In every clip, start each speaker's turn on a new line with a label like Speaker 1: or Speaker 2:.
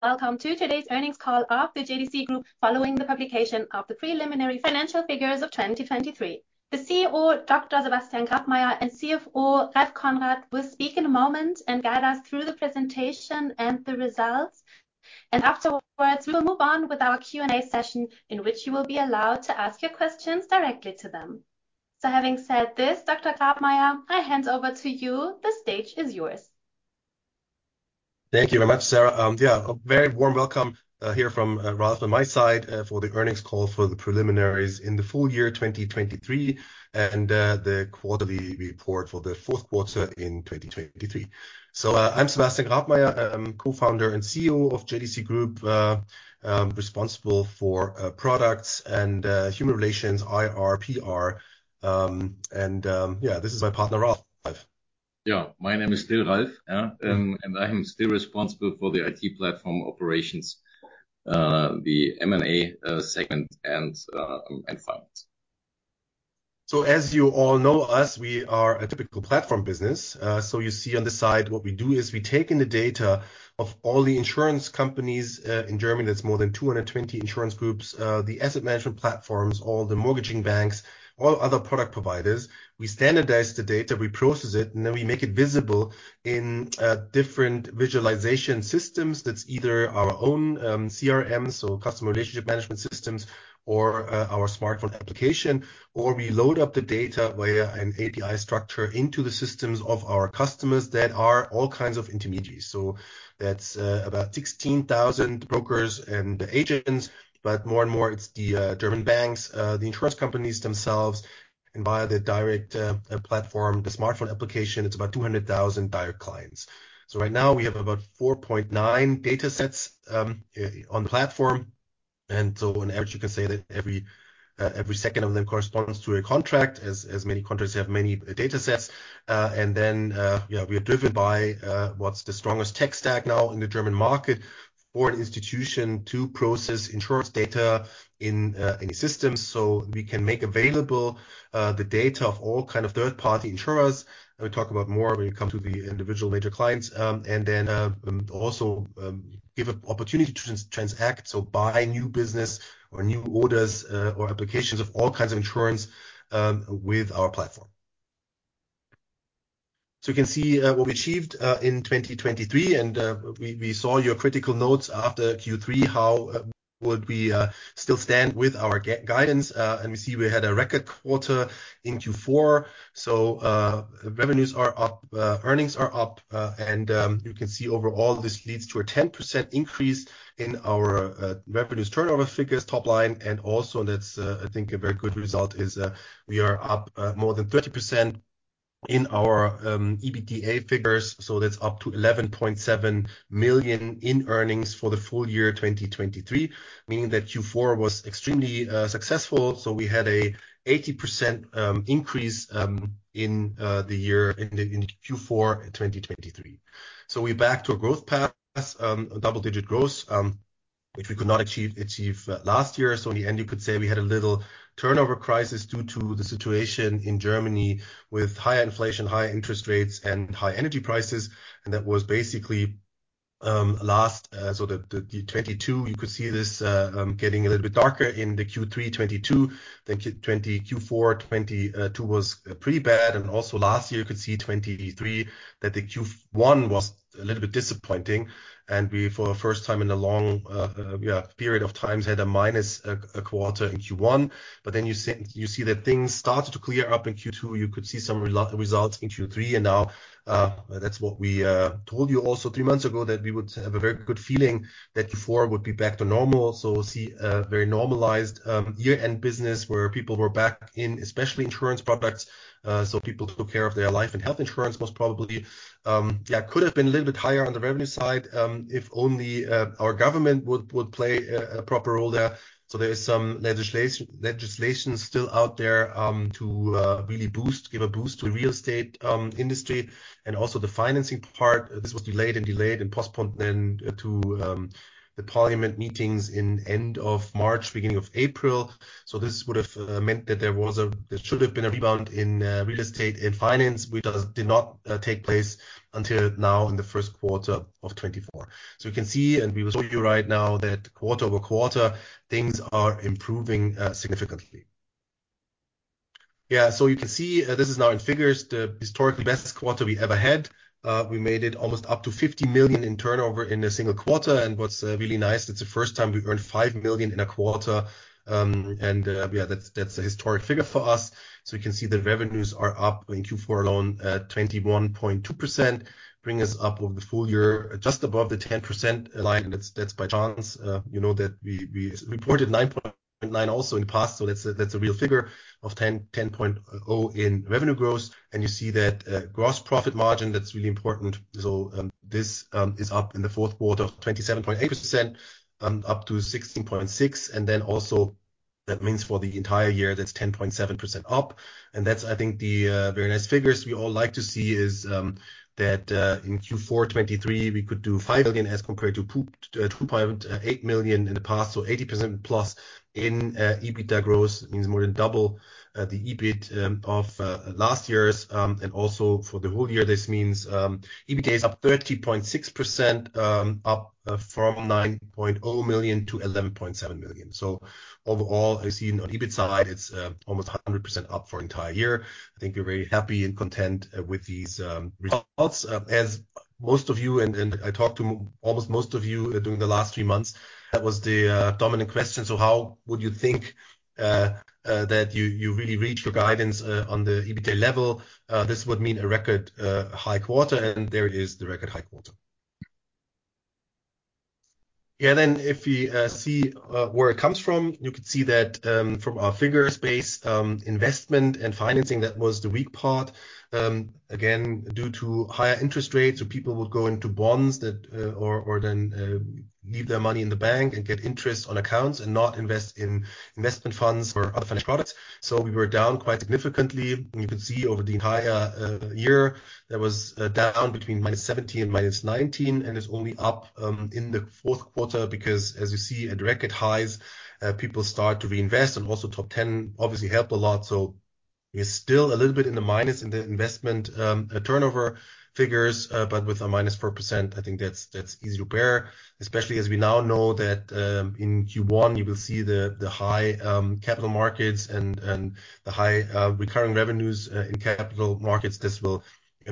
Speaker 1: Welcome to today's earnings call of the JDC Group following the publication of the preliminary financial figures of 2023. The CEO, Dr. Sebastian Grabmaier, and CFO, Ralph Konrad, will speak in a moment and guide us through the presentation and the results. Afterwards we will move on with our Q&A session in which you will be allowed to ask your questions directly to them. So having said this, Dr. Grabmaier, I hand over to you. The stage is yours.
Speaker 2: Thank you very much, Sarah. Yeah, a very warm welcome here from Ralph on my side for the earnings call for the preliminaries in the full year 2023 and the quarterly report for the fourth quarter in 2023. So, I'm Sebastian Grabmaier, co-founder and CEO of JDC Group, responsible for products and human relations, IR, PR, and yeah, this is my partner, Ralph, live.
Speaker 3: Yeah, my name is still Ralph, yeah, and I am still responsible for the IT platform operations, the M&A segment, and finance.
Speaker 2: So as you all know us, we are a typical platform business, so you see on the side what we do is we take in the data of all the insurance companies, in Germany, that's more than 220 insurance groups, the asset management platforms, all the mortgaging banks, all other product providers. We standardize the data, we process it, and then we make it visible in different visualization systems. That's either our own CRM, so customer relationship management systems, or our smartphone application, or we load up the data via an API structure into the systems of our customers that are all kinds of intermediaries. So that's about 16,000 brokers and agents, but more and more it's the German banks, the insurance companies themselves, and via the direct platform, the smartphone application, it's about 200,000 direct clients. So right now we have about 4.9 data sets on the platform, and so on average you can say that every second of them corresponds to a contract, as many contracts have many data sets. And then, yeah, we are driven by what's the strongest tech stack now in the German market for an institution to process insurance data in any systems so we can make available the data of all kinds of third-party insurers. And we'll talk about more when we come to the individual major clients, and then also give an opportunity to transact, so buy new business or new orders, or applications of all kinds of insurance with our platform. So you can see what we achieved in 2023, and we saw your critical notes after Q3, how would we still stand with our guidance, and we see we had a record quarter in Q4. So revenues are up, earnings are up, and you can see overall this leads to a 10% increase in our revenues turnover figures top line, and also that's I think a very good result is we are up more than 30% in our EBITDA figures, so that's up to 11.7 million in earnings for the full year 2023, meaning that Q4 was extremely successful, so we had an 80% increase in the year in Q4 2023. So we're back to a growth path, double-digit growth, which we could not achieve last year, so in the end you could say we had a little turnover crisis due to the situation in Germany with higher inflation, higher interest rates, and high energy prices, and that was basically last, so the 2022 you could see this getting a little bit darker in the Q3 2022 than Q4 2022, 2022 was pretty bad, and also last year you could see 2023 that the Q1 was a little bit disappointing, and we for the first time in a long, yeah, period of times had a minus, a quarter in Q1, but then you see that things started to clear up in Q2, you could see some results in Q3, and now, that's what we told you also three months ago that we would have a very good feeling that Q4 would be back to normal, so you see, very normalized year-end business where people were back in especially insurance products, so people took care of their life and health insurance most probably. Yeah, could have been a little bit higher on the revenue side, if only our government would play a proper role there, so there is some legislation still out there to really boost, give a boost to the real estate industry, and also the financing part. This was delayed and postponed then to the parliament meetings in end of March, beginning of April, so this would have meant that there should have been a rebound in real estate and finance which did not take place until now in the first quarter of 2024. So you can see, and we will show you right now that quarter-over-quarter things are improving significantly. Yeah, so you can see, this is now in figures, the historically best quarter we ever had, we made it almost up to 50 million in turnover in a single quarter, and what's really nice, it's the first time we earned 5 million in a quarter, and yeah, that's that's a historic figure for us, so you can see the revenues are up in Q4 alone 21.2%, bring us up over the full year just above the 10% line, and that's that's by chance, you know that we we reported 9.9% also in the past, so that's a that's a real figure of 10, 10.0% in revenue growth, and you see that gross profit margin that's really important, so this is up in the fourth quarter of 27.8%, up to 16.6%, and then also that means for the entire year that's 10.7% up, and that's I think the very nice figures we all like to see is that in Q4 2023 we could do 5 million as compared to 2.8 million in the past, so 80% plus in EBITDA growth, means more than double the EBIT of last year's, and also for the whole year this means EBITDA is up 30.6%, up from 9.0 million-11.7 million. So overall I see on EBIT side it's almost 100% up for the entire year. I think we're very happy and content with these results. As most of you and I talked to almost most of you during the last three months, that was the dominant question, so how would you think that you really reach your guidance on the EBITDA level, this would mean a record-high quarter, and there it is, the record-high quarter. Yeah, then if we see where it comes from, you could see that from our Figurespace, investment and financing, that was the weak part, again due to higher interest rates, so people would go into bonds, or then leave their money in the bank and get interest on accounts and not invest in investment funds or other financial products, so we were down quite significantly. You can see over the entire year there was down between -17 and -19, and it's only up in the fourth quarter because, as you see, at record highs, people start to reinvest, and also Top Ten obviously help a lot, so we're still a little bit in the minus in the investment turnover figures, but with a -4% I think that's easy to bear, especially as we now know that in Q1 you will see the high capital markets and the high recurring revenues in capital markets; this will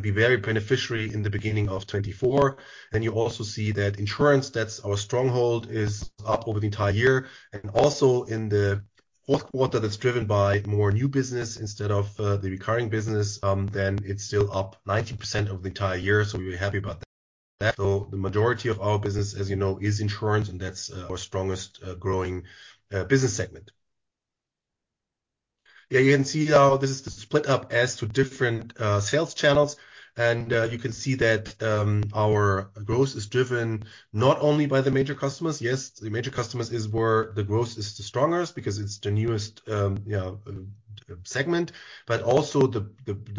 Speaker 2: be very beneficial in the beginning of 2024. Then you also see that insurance, that's our stronghold, is up over the entire year, and also in the fourth quarter that's driven by more new business instead of the recurring business, then it's still up 90% over the entire year, so we're happy about that. So the majority of our business, as you know, is insurance, and that's our strongest growing business segment. Yeah, you can see how this is the split up as to different sales channels, and you can see that our growth is driven not only by the major customers, yes, the major customers is where the growth is the strongest because it's the newest, yeah, segment, but also the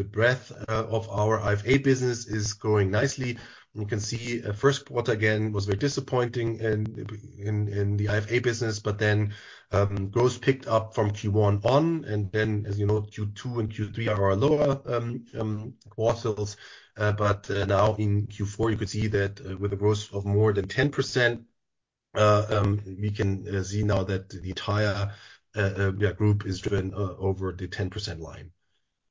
Speaker 2: breadth of our IFA business is growing nicely. You can see first quarter again was very disappointing in the IFA business, but then growth picked up from Q1 on, and then, as you know, Q2 and Q3 are our lower quarters, but now in Q4 you could see that with a growth of more than 10%, we can see now that the entire yeah group is driven over the 10% line.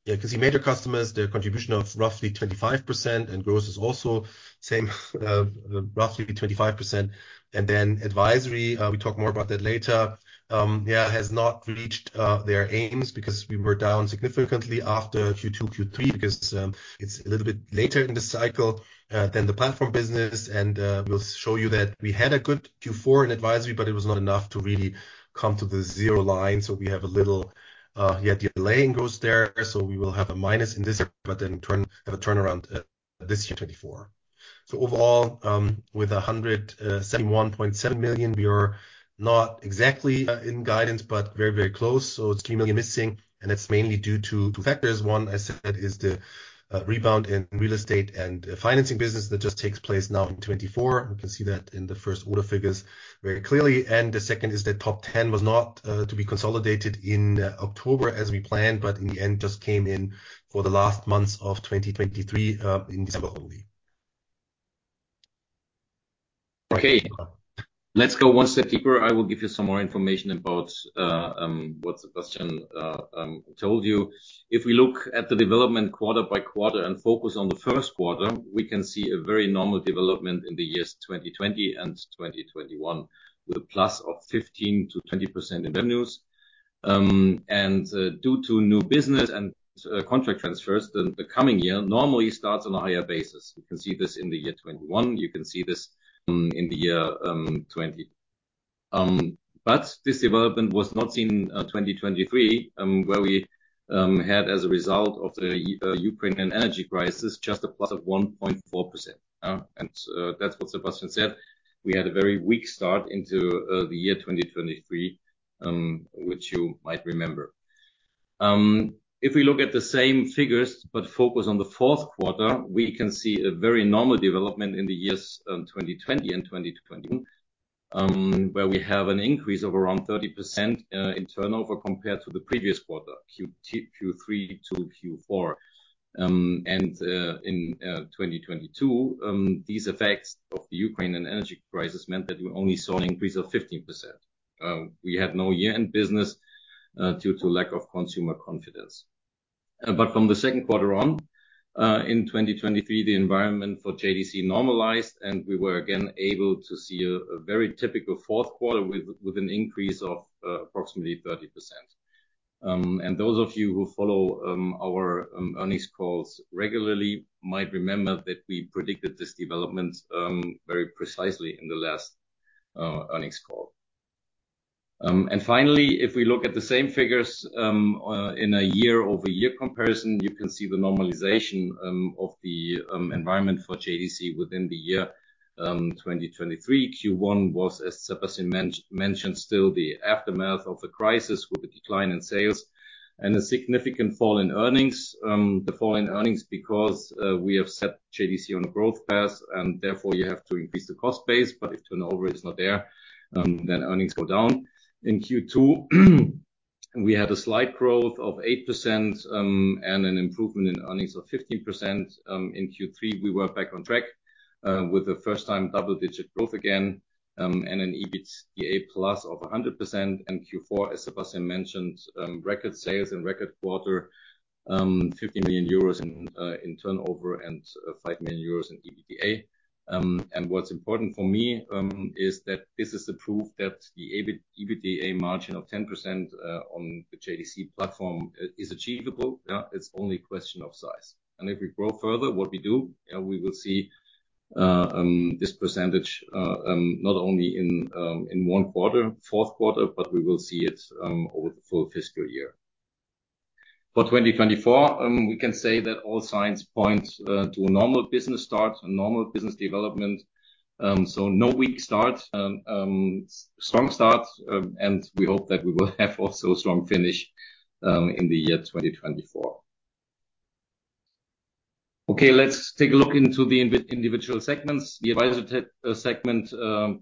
Speaker 2: Yeah, you can see major customers, their contribution of roughly 25%, and growth is also same, roughly 25%, and then advisory. We'll talk more about that later, yeah. It has not reached their aims because we were down significantly after Q2, Q3 because it's a little bit later in the cycle than the platform business, and we'll show you that we had a good Q4 in advisory, but it was not enough to really come to the zero line, so we have a little, yeah, delay in growth there. So we will have a minus in this year, but then turn, have a turnaround this year 2024. So overall, with 171.7 million we are not exactly in guidance, but very, very close, so it's 3 million missing, and that's mainly due to two factors. One, as I said, is the rebound in real estate and financing business that just takes place now in 2024. You can see that in the first order figures very clearly, and the second is that Top Ten was not to be consolidated in October as we planned, but in the end just came in for the last months of 2023, in December only.
Speaker 3: Okay, let's go one step deeper. I will give you some more information about what Sebastian told you. If we look at the development quarter by quarter and focus on the first quarter, we can see a very normal development in the years 2020 and 2021 with a plus of 15%-20% in revenues. Due to new business and contract transfers, the coming year normally starts on a higher basis. You can see this in the year 2021, you can see this in the year 2020. But this development was not seen in 2023, where we had as a result of the Ukrainian energy crisis just a plus of 1.4%, yeah, and that's what Sebastian said. We had a very weak start into the year 2023, which you might remember. If we look at the same figures but focus on the fourth quarter, we can see a very normal development in the years 2020 and 2021, where we have an increase of around 30% in turnover compared to the previous quarter, Q3 to Q4. And in 2022, these effects of the Ukrainian energy crisis meant that we only saw an increase of 15%. We had no year-end business due to lack of consumer confidence. But from the second quarter on in 2023, the environment for JDC normalized, and we were again able to see a very typical fourth quarter with an increase of approximately 30%. And those of you who follow our earnings calls regularly might remember that we predicted this development very precisely in the last earnings call. And finally, if we look at the same figures in a year-over-year comparison, you can see the normalization of the environment for JDC within the year 2023. Q1 was, as Sebastian mentioned, still the aftermath of a crisis with a decline in sales and a significant fall in earnings. The fall in earnings because we have set JDC on a growth path, and therefore you have to increase the cost base, but if turnover is not there, then earnings go down. In Q2, we had a slight growth of 8%, and an improvement in earnings of 15%. In Q3 we were back on track with the first time double-digit growth again, and an EBITDA plus of 100%, and Q4, as Sebastian mentioned, record sales in record quarter, 50 million euros in turnover and 5 million euros in EBITDA. What's important for me is that this is the proof that the EBITDA margin of 10% on the JDC platform is achievable. Yeah, it's only a question of size. And if we grow further, what we do, yeah, we will see this percentage not only in one quarter, fourth quarter, but we will see it over the full fiscal year. For 2024, we can say that all signs point to a normal business start, a normal business development, so no weak start, strong start, and we hope that we will have also a strong finish in the year 2024. Okay, let's take a look into the individual segments. The advisory segment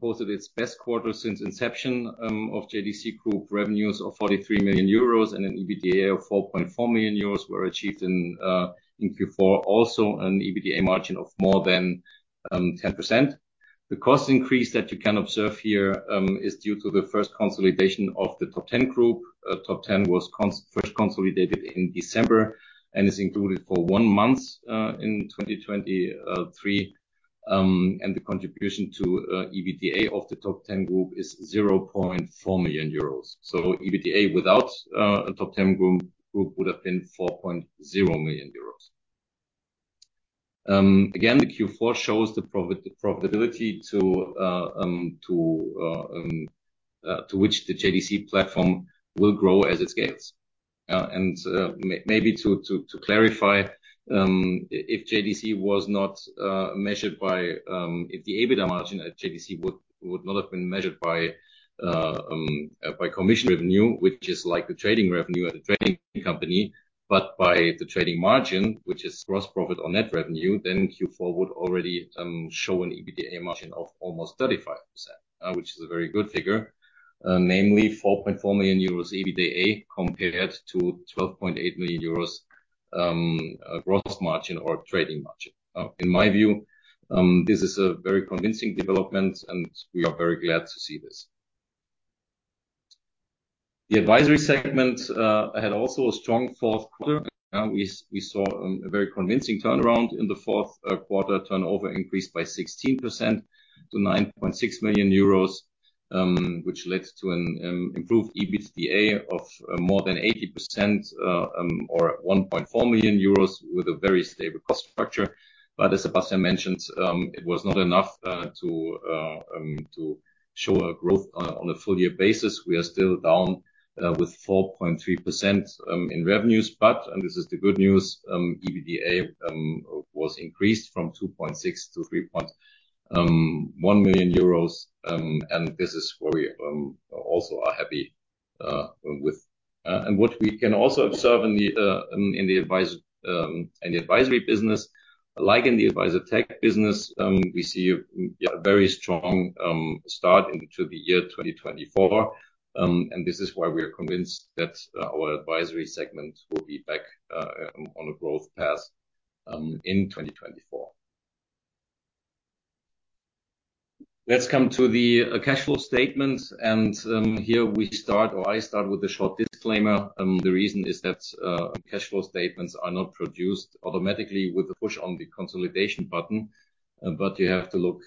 Speaker 3: posted its best quarter since inception of JDC Group. Revenues of 43 million euros and an EBITDA of 4.4 million euros were achieved in Q4, also an EBITDA margin of more than 10%. The cost increase that you can observe here is due to the first consolidation of the Top Ten Group. Top Ten Group was first consolidated in December and is included for one month in 2023, and the contribution to EBITDA of the Top Ten Group is 0.4 million euros. So EBITDA without a Top Ten Group would have been 4.0 million euros. Again, the Q4 shows the profitability to which the JDC platform will grow as it scales. and maybe to clarify, if JDC was not measured by, if the EBITDA margin at JDC would not have been measured by commission revenue, which is like the trading revenue at a trading company, but by the trading margin, which is gross profit or net revenue, then Q4 would already show an EBITDA margin of almost 35%, which is a very good figure, namely 4.4 million euros EBITDA compared to 12.8 million euros gross margin or trading margin. In my view, this is a very convincing development, and we are very glad to see this. The advisory segment had also a strong fourth quarter. Yeah, we saw a very convincing turnaround in the fourth quarter, turnover increased by 16% to 9.6 million euros, which led to an improved EBITDA of more than 80%, or 1.4 million euros with a very stable cost structure. But as Sebastian mentioned, it was not enough to show a growth on a full-year basis. We are still down with 4.3% in revenues, but and this is the good news, EBITDA was increased from 2.6 million to 3.1 million euros, and this is where we also are happy with. And what we can also observe in the advisory tech business, we see yeah a very strong start into the year 2024, and this is why we are convinced that our advisory segment will be back on a growth path in 2024. Let's come to the cash flow statements, and here we start, or I start, with a short disclaimer. The reason is that cash flow statements are not produced automatically with a push on the consolidation button, but you have to look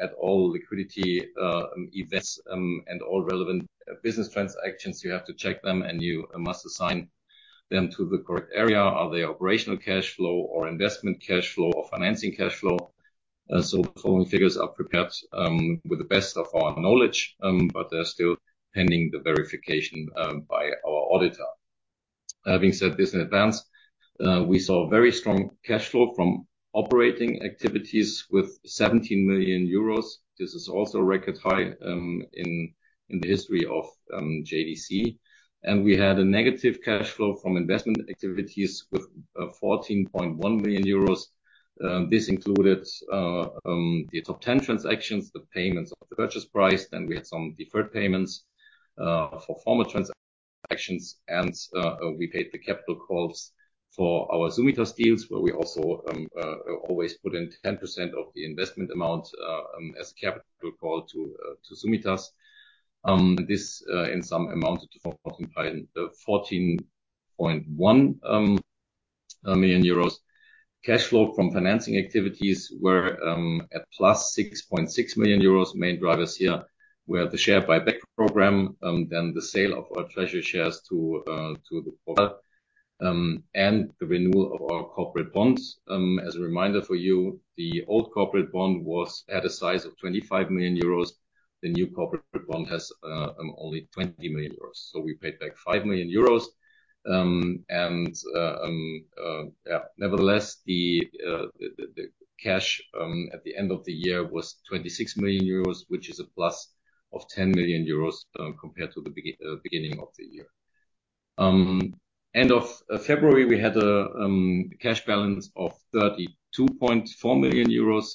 Speaker 3: at all liquidity events and all relevant business transactions. You have to check them, and you must assign them to the correct area. Are they operational cash flow or investment cash flow or financing cash flow? The following figures are prepared with the best of our knowledge, but they're still pending the verification by our auditor. Having said this in advance, we saw a very strong cash flow from operating activities with 17 million euros. This is also a record high in the history of JDC. And we had a negative cash flow from investment activities with 14.1 million euros. This included the Top Ten transactions, the payments of the purchase price, then we had some deferred payments for former transactions, and we paid the capital calls for our Summitas deals, where we also always put in 10% of the investment amount, as a capital call to Summitas. And this in some amounted to 14.1 million euros. Cash flow from financing activities were at plus 6.6 million euros. Main drivers here were the share buyback program, then the sale of our treasury shares to the corporate, and the renewal of our corporate bonds. As a reminder for you, the old corporate bond had a size of 25 million euros. The new corporate bond has only 20 million euros, so we paid back 5 million euros. Yeah, nevertheless, the cash at the end of the year was 26 million euros, which is a plus of 10 million euros compared to the beginning of the year. End of February, we had a cash balance of 32.4 million euros,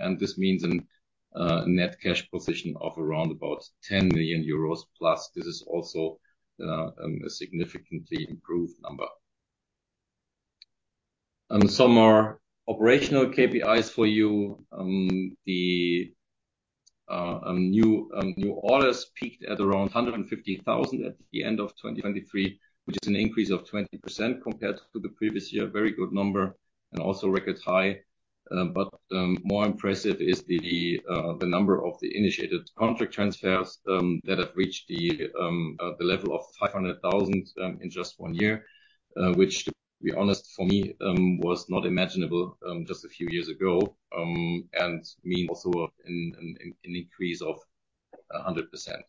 Speaker 3: and this means a net cash position of around about 10 million euros plus. This is also a significantly improved number. Some more operational KPIs for you. The new orders peaked at around 150,000 at the end of 2023, which is an increase of 20% compared to the previous year. Very good number and also record high. But more impressive is the number of the initiated contract transfers that have reached the level of 500,000 in just one year, which, to be honest, for me, was not imaginable just a few years ago, and means also an increase of 100%.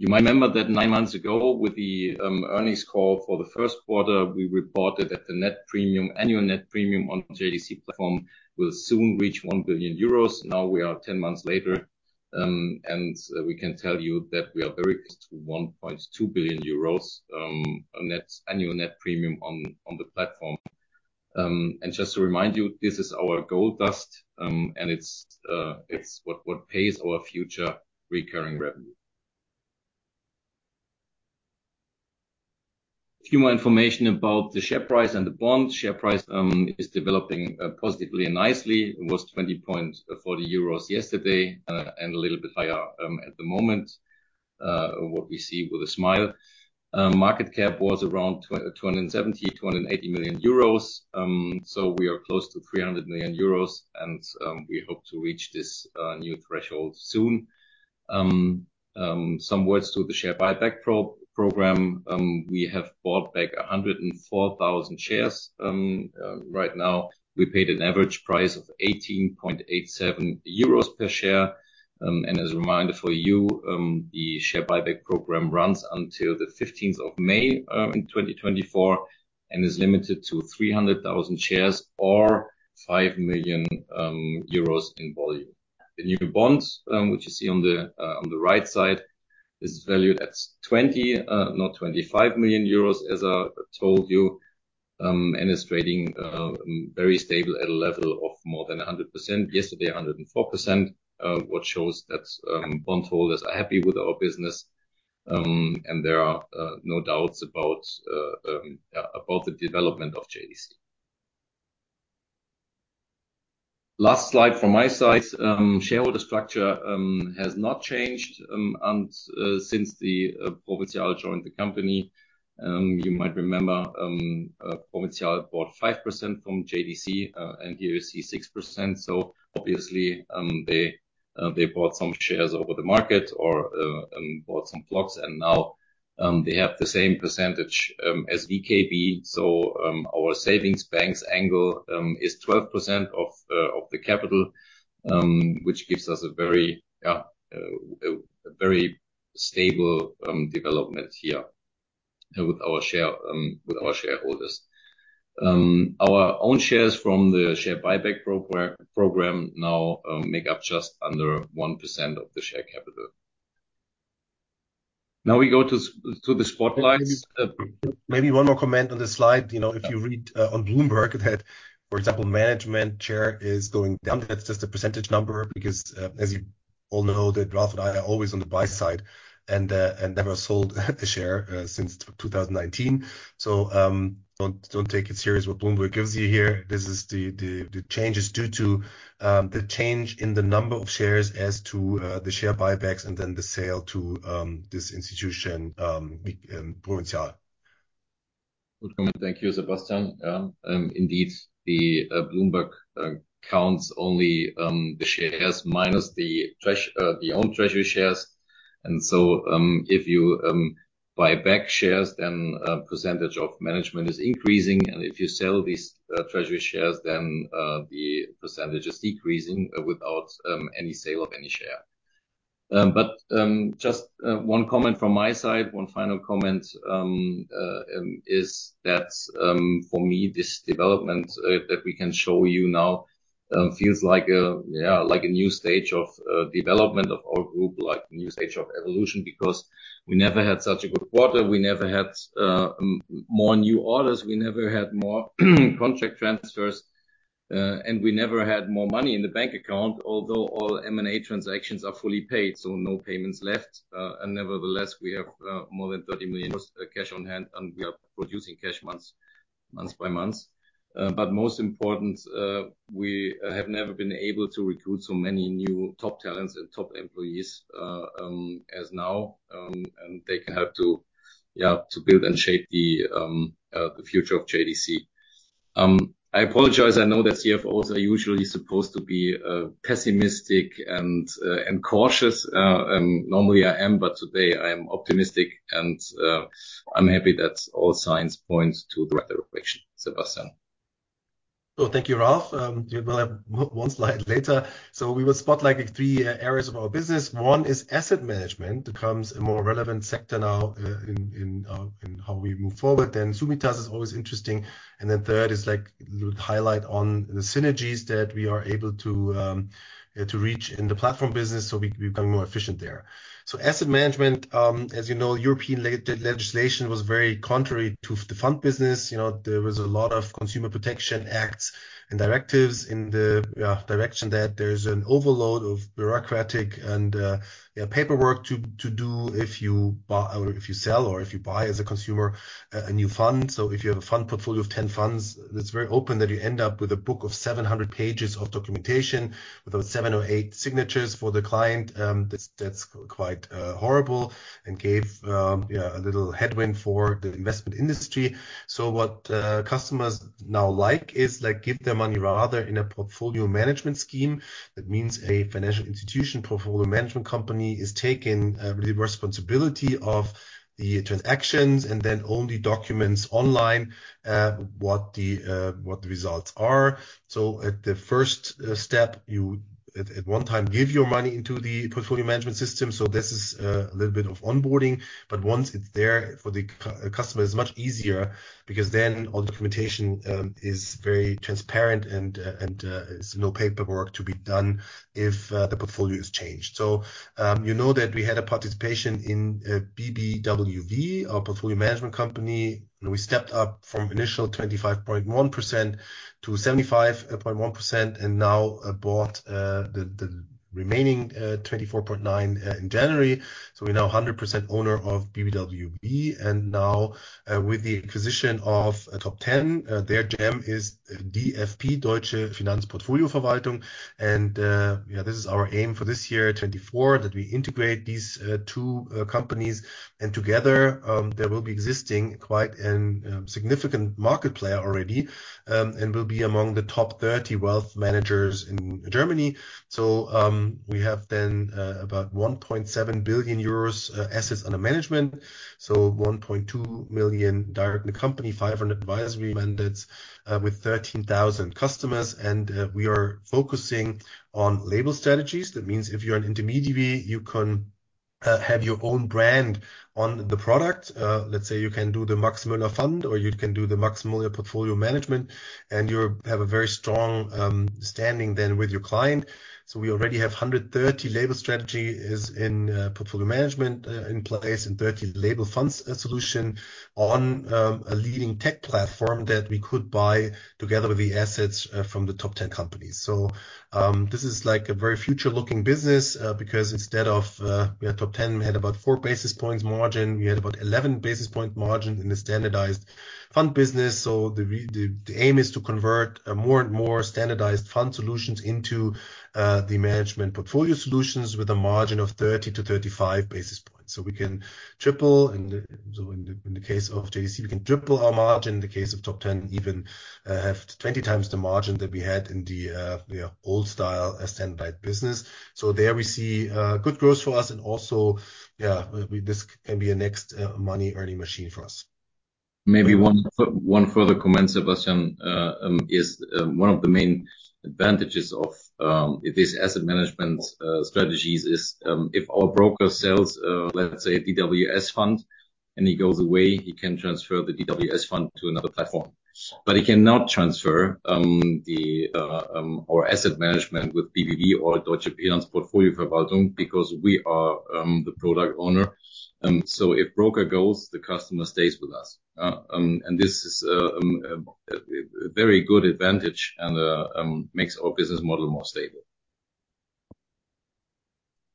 Speaker 3: You might remember that 9 months ago with the earnings call for the first quarter, we reported that the net premium, annual net premium on the JDC platform will soon reach 1 billion euros. Now we are 10 months later, and we can tell you that we are very close to 1.2 billion euros, a net annual net premium on the platform. And just to remind you, this is our gold dust, and it's what pays our future recurring revenue. A few more information about the share price and the bond. Share price is developing positively and nicely. It was 20.40 euros yesterday, and a little bit higher at the moment, what we see with a smile. Market cap was around 270,000-280,000 euros, so we are close to 300,000 euros, and we hope to reach this new threshold soon. Some words to the share buyback program. We have bought back 104,000 shares right now. We paid an average price of 18.87 euros per share. And as a reminder for you, the share buyback program runs until the 15th of May, in 2024 and is limited to 300,000 shares or 5 million euros in volume. The new bonds, which you see on the right side, is valued at 20,000, not 25,000 euros, as I told you, and is trading very stable at a level of more than 100%. Yesterday, 104%, what shows that bond holders are happy with our business, and there are no doubts about yeah, about the development of JDC. Last slide from my side. Shareholder structure has not changed, and since Provinzial joined the company. You might remember, Provinzial bought 5% from JDC, and here you see 6%. So obviously, they bought some shares over the market or bought some plots, and now they have the same percentage as VKB. So our savings banks angle is 12% of the capital, which gives us a very, yeah, a very stable development here with our share with our shareholders. Our own shares from the share buyback program now make up just under 1% of the share capital. Now we go to the spotlight. Maybe one more comment on the slide. You know, if you read on Bloomberg that, for example, management share is going down, that's just a percentage number because as you all know, Ralph and I are always on the buy side and never sold a share since 2019. So don't take it serious what Bloomberg gives you here. This is the changes due to the change in the number of shares as to the share buybacks and then the sale to this institution, Provinzial. Good comment. Thank you, Sebastian. Yeah, indeed, Bloomberg counts only the shares minus the treasury, the own treasury shares. And so, if you buy back shares, then the percentage of management is increasing, and if you sell these treasury shares, then the percentage is decreasing without any sale of any share. But just one comment from my side, one final comment, is that for me, this development that we can show you now feels like a, yeah, like a new stage of development of our group, like a new stage of evolution because we never had such a good quarter. We never had more new orders. We never had more contract transfers, and we never had more money in the bank account, although all M&A transactions are fully paid, so no payments left. Nevertheless, we have more than 30 million cash on hand, and we are producing cash months, months by months. But most important, we have never been able to recruit so many new top talents and top employees as now, and they can help to, yeah, to build and shape the future of JDC. I apologize. I know that CFOs are usually supposed to be pessimistic and cautious. Normally I am, but today I am optimistic, and I'm happy that all signs point to the right direction, Sebastian.
Speaker 2: Oh, thank you, Ralph. We'll have one slide later. So we will spot like three areas of our business. One is asset management. It becomes a more relevant sector now, in how we move forward. Then Summitas is always interesting. And then third is like a little highlight on the synergies that we are able to reach in the platform business. So we've become more efficient there. So asset management, as you know, European legislation was very contrary to the fund business. You know, there was a lot of consumer protection acts and directives in the direction that there's an overload of bureaucratic and paperwork to do if you buy or if you sell or if you buy as a consumer a new fund. So if you have a fund portfolio of 10 funds, it's very obvious that you end up with a book of 700 pages of documentation with seven or eight signatures for the client. That's quite horrible and gave a little headwind for the investment industry. So what customers now like is like give their money rather in a portfolio management scheme. That means a financial institution portfolio management company is taking really responsibility of the transactions and then only documents online what the results are. So at the first step, you at one time give your money into the portfolio management system. So this is a little bit of onboarding, but once it's there for the customer, it's much easier because then all documentation is very transparent and there's no paperwork to be done if the portfolio is changed. So you know that we had a participation in BBWV, our portfolio management company. We stepped up from initial 25.1% to 75.1% and now bought the remaining 24.9% in January. So we're now 100% owner of BBWV. And now, with the acquisition of Top Ten, their gem is DFP, Deutsche Finanz Portfolioverwaltung. And, yeah, this is our aim for this year, 2024, that we integrate these 2 companies. And together, there will be existing quite a significant market player already, and will be among the top 30 wealth managers in Germany. So, we have then about 1.7 billion euros in assets under management. So 1.2 billion direct in the company, 500 million advisory mandates, with 13,000 customers. And, we are focusing on label strategies. That means if you're an intermediary, you can have your own brand on the product. Let's say you can do the Max Müller fund or you can do the Max Müller portfolio management, and you have a very strong standing then with your client. So we already have 130 label strategies in portfolio management in place and 30 label funds solutions on a leading tech platform that we could buy together with the assets from the Top Ten companies. So this is like a very future-looking business because instead of yeah Top Ten had about 4 basis points margin we had about 11 basis points margin in the standardized fund business. So the aim is to convert more and more standardized fund solutions into the management portfolio solutions with a margin of 30-35 basis points. So we can triple. And so in the case of JDC we can triple our margin. In the case of Top Ten even have 20x the margin that we had in the yeah old style standardized business. So there we see good growth for us. Also, yeah, we this can be a next money-earning machine for us.
Speaker 3: Maybe one further comment, Sebastian, is one of the main advantages of these asset management strategies is if our broker sells, let's say a DWS fund and he goes away, he can transfer the DWS fund to another platform. But he cannot transfer the our asset management with BBV or Deutsche Finanz Portfolioverwaltung because we are the product owner. So if broker goes, the customer stays with us. This is a very good advantage and makes our business model more stable.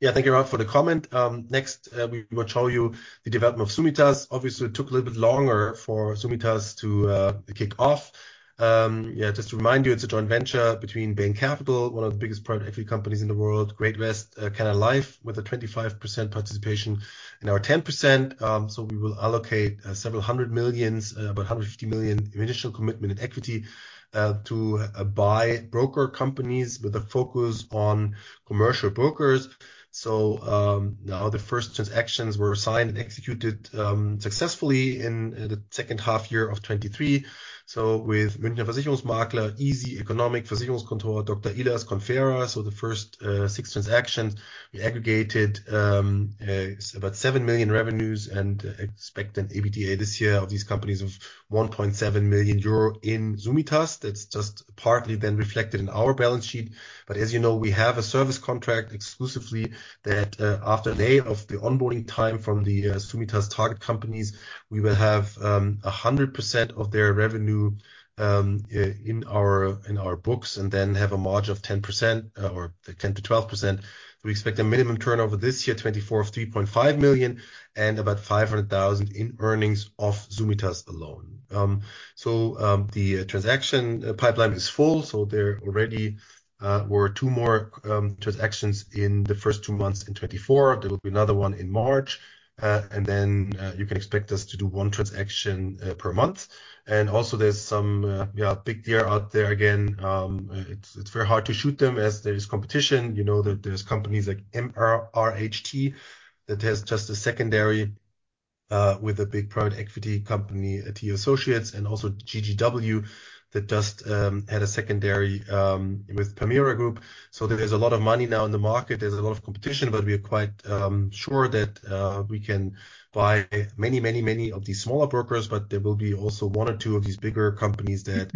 Speaker 2: Yeah, thank you, Ralph, for the comment. Next, we will show you the development of Summitas. Obviously, it took a little bit longer for Summitas to kick off. Yeah, just to remind you, it's a joint venture between Bain Capital, one of the biggest private equity companies in the world, Great-West Lifeco, Canada Life with a 25% participation in our 10%. So we will allocate several hundred million, about 150 million initial commitment in equity, to buy broker companies with a focus on commercial brokers. So now the first transactions were signed and executed successfully in the second half of 2023. So with Münchner Versicherungsmakler, EASY Client, Economic Versicherungskontor, Dr. Ilias Conferra. So the first six transactions, we aggregated about 7 million revenues and expect an EBITA this year of these companies of 1.7 million euro in Summitas. That's just partly then reflected in our balance sheet.
Speaker 3: But as you know, we have a service contract exclusively that, after a day of the onboarding time from the Summitas target companies, we will have 100% of their revenue in our, in our books and then have a margin of 10% or 10%-12%. So we expect a minimum turnover this year, 2024, of 3.5 million and about 500,000 in earnings of Summitas alone. So the transaction pipeline is full. So there already were two more transactions in the first two months in 2024. There will be another one in March. And then you can expect us to do one transaction per month. And also there's some, yeah, big deals out there again. It's very hard to shoot them as there is competition. You know that there's companies like MRH Trowe that has just a secondary, with a big private equity company, TA Associates, and also GGW that just, had a secondary, with Permira Group. So there's a lot of money now in the market. There's a lot of competition, but we are quite, sure that, we can buy many, many, many of these smaller brokers. But there will be also one or two of these bigger companies that,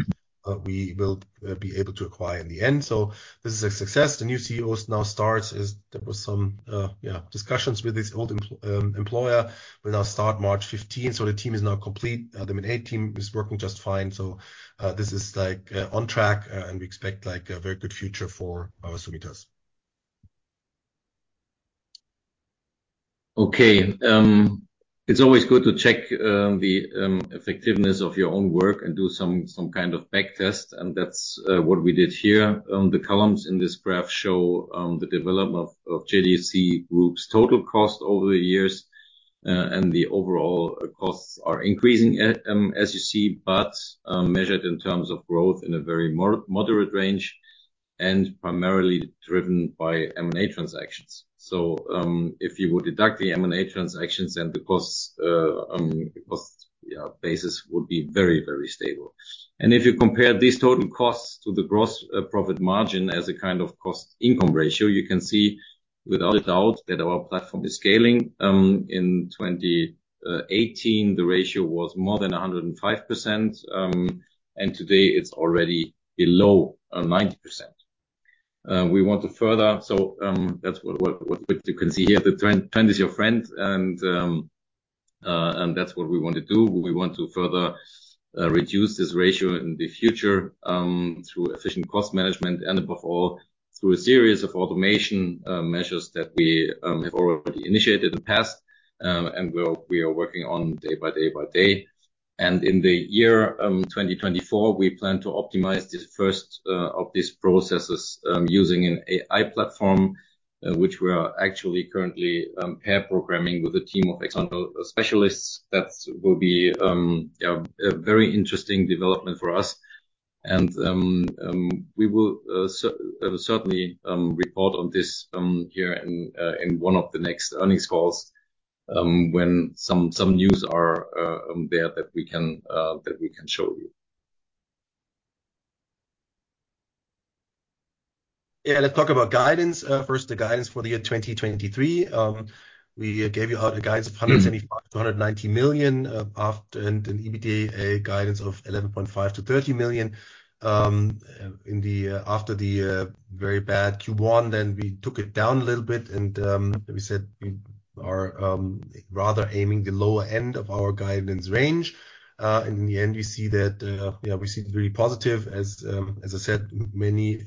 Speaker 3: we will, be able to acquire in the end. So this is a success. The new CEO now starts. There were some, yeah, discussions with this old, employer. We'll now start March 15th. So the team is now complete. The main A team is working just fine. So, this is like, on track, and we expect like a very good future for our Summitas. Okay. It's always good to check the effectiveness of your own work and do some kind of backtest. And that's what we did here. The columns in this graph show the development of JDC Group's total cost over the years, and the overall costs are increasing, as you see, but measured in terms of growth in a very moderate range and primarily driven by M&A transactions. So, if you would deduct the M&A transactions, then the cost basis would be very, very stable. And if you compare these total costs to the gross profit margin as a kind of cost-income ratio, you can see without a doubt that our platform is scaling. In 2018, the ratio was more than 105%. And today it's already below 90%. We want to further so, that's what you can see here. The trend is your friend. And that's what we want to do. We want to further reduce this ratio in the future through efficient cost management and, above all, through a series of automation measures that we have already initiated in the past, and we are working on day by day. And in the year 2024, we plan to optimize the first of these processes using an AI platform, which we are actually currently pair programming with a team of external specialists. That will be, yeah, a very interesting development for us. And we will certainly report on this here in one of the next earnings calls, when some news are there that we can show you. Yeah, let's talk about guidance first, the guidance for the year 2023. We gave you our guidance of 175 million-190 million, after and an EBITDA guidance of 11.5 million-30 million. In the after the very bad Q1, then we took it down a little bit and we said we are rather aiming the lower end of our guidance range. And in the end, we see that, yeah, we see it very positive as, as I said, many,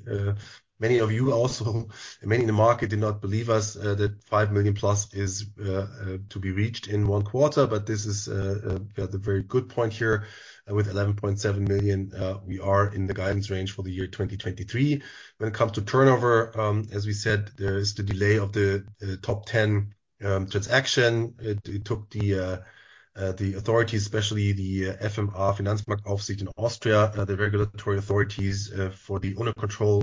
Speaker 3: many of you also, many in the market did not believe us, that 5 million+ is to be reached in one quarter. But this is, yeah, the very good point here. With 11.7 million, we are in the guidance range for the year 2023. When it comes to turnover, as we said, there is the delay of the Top Ten transaction. It took the authorities, especially the FMA Finanzmarktaufsicht in Austria, the regulatory authorities, for the owner control,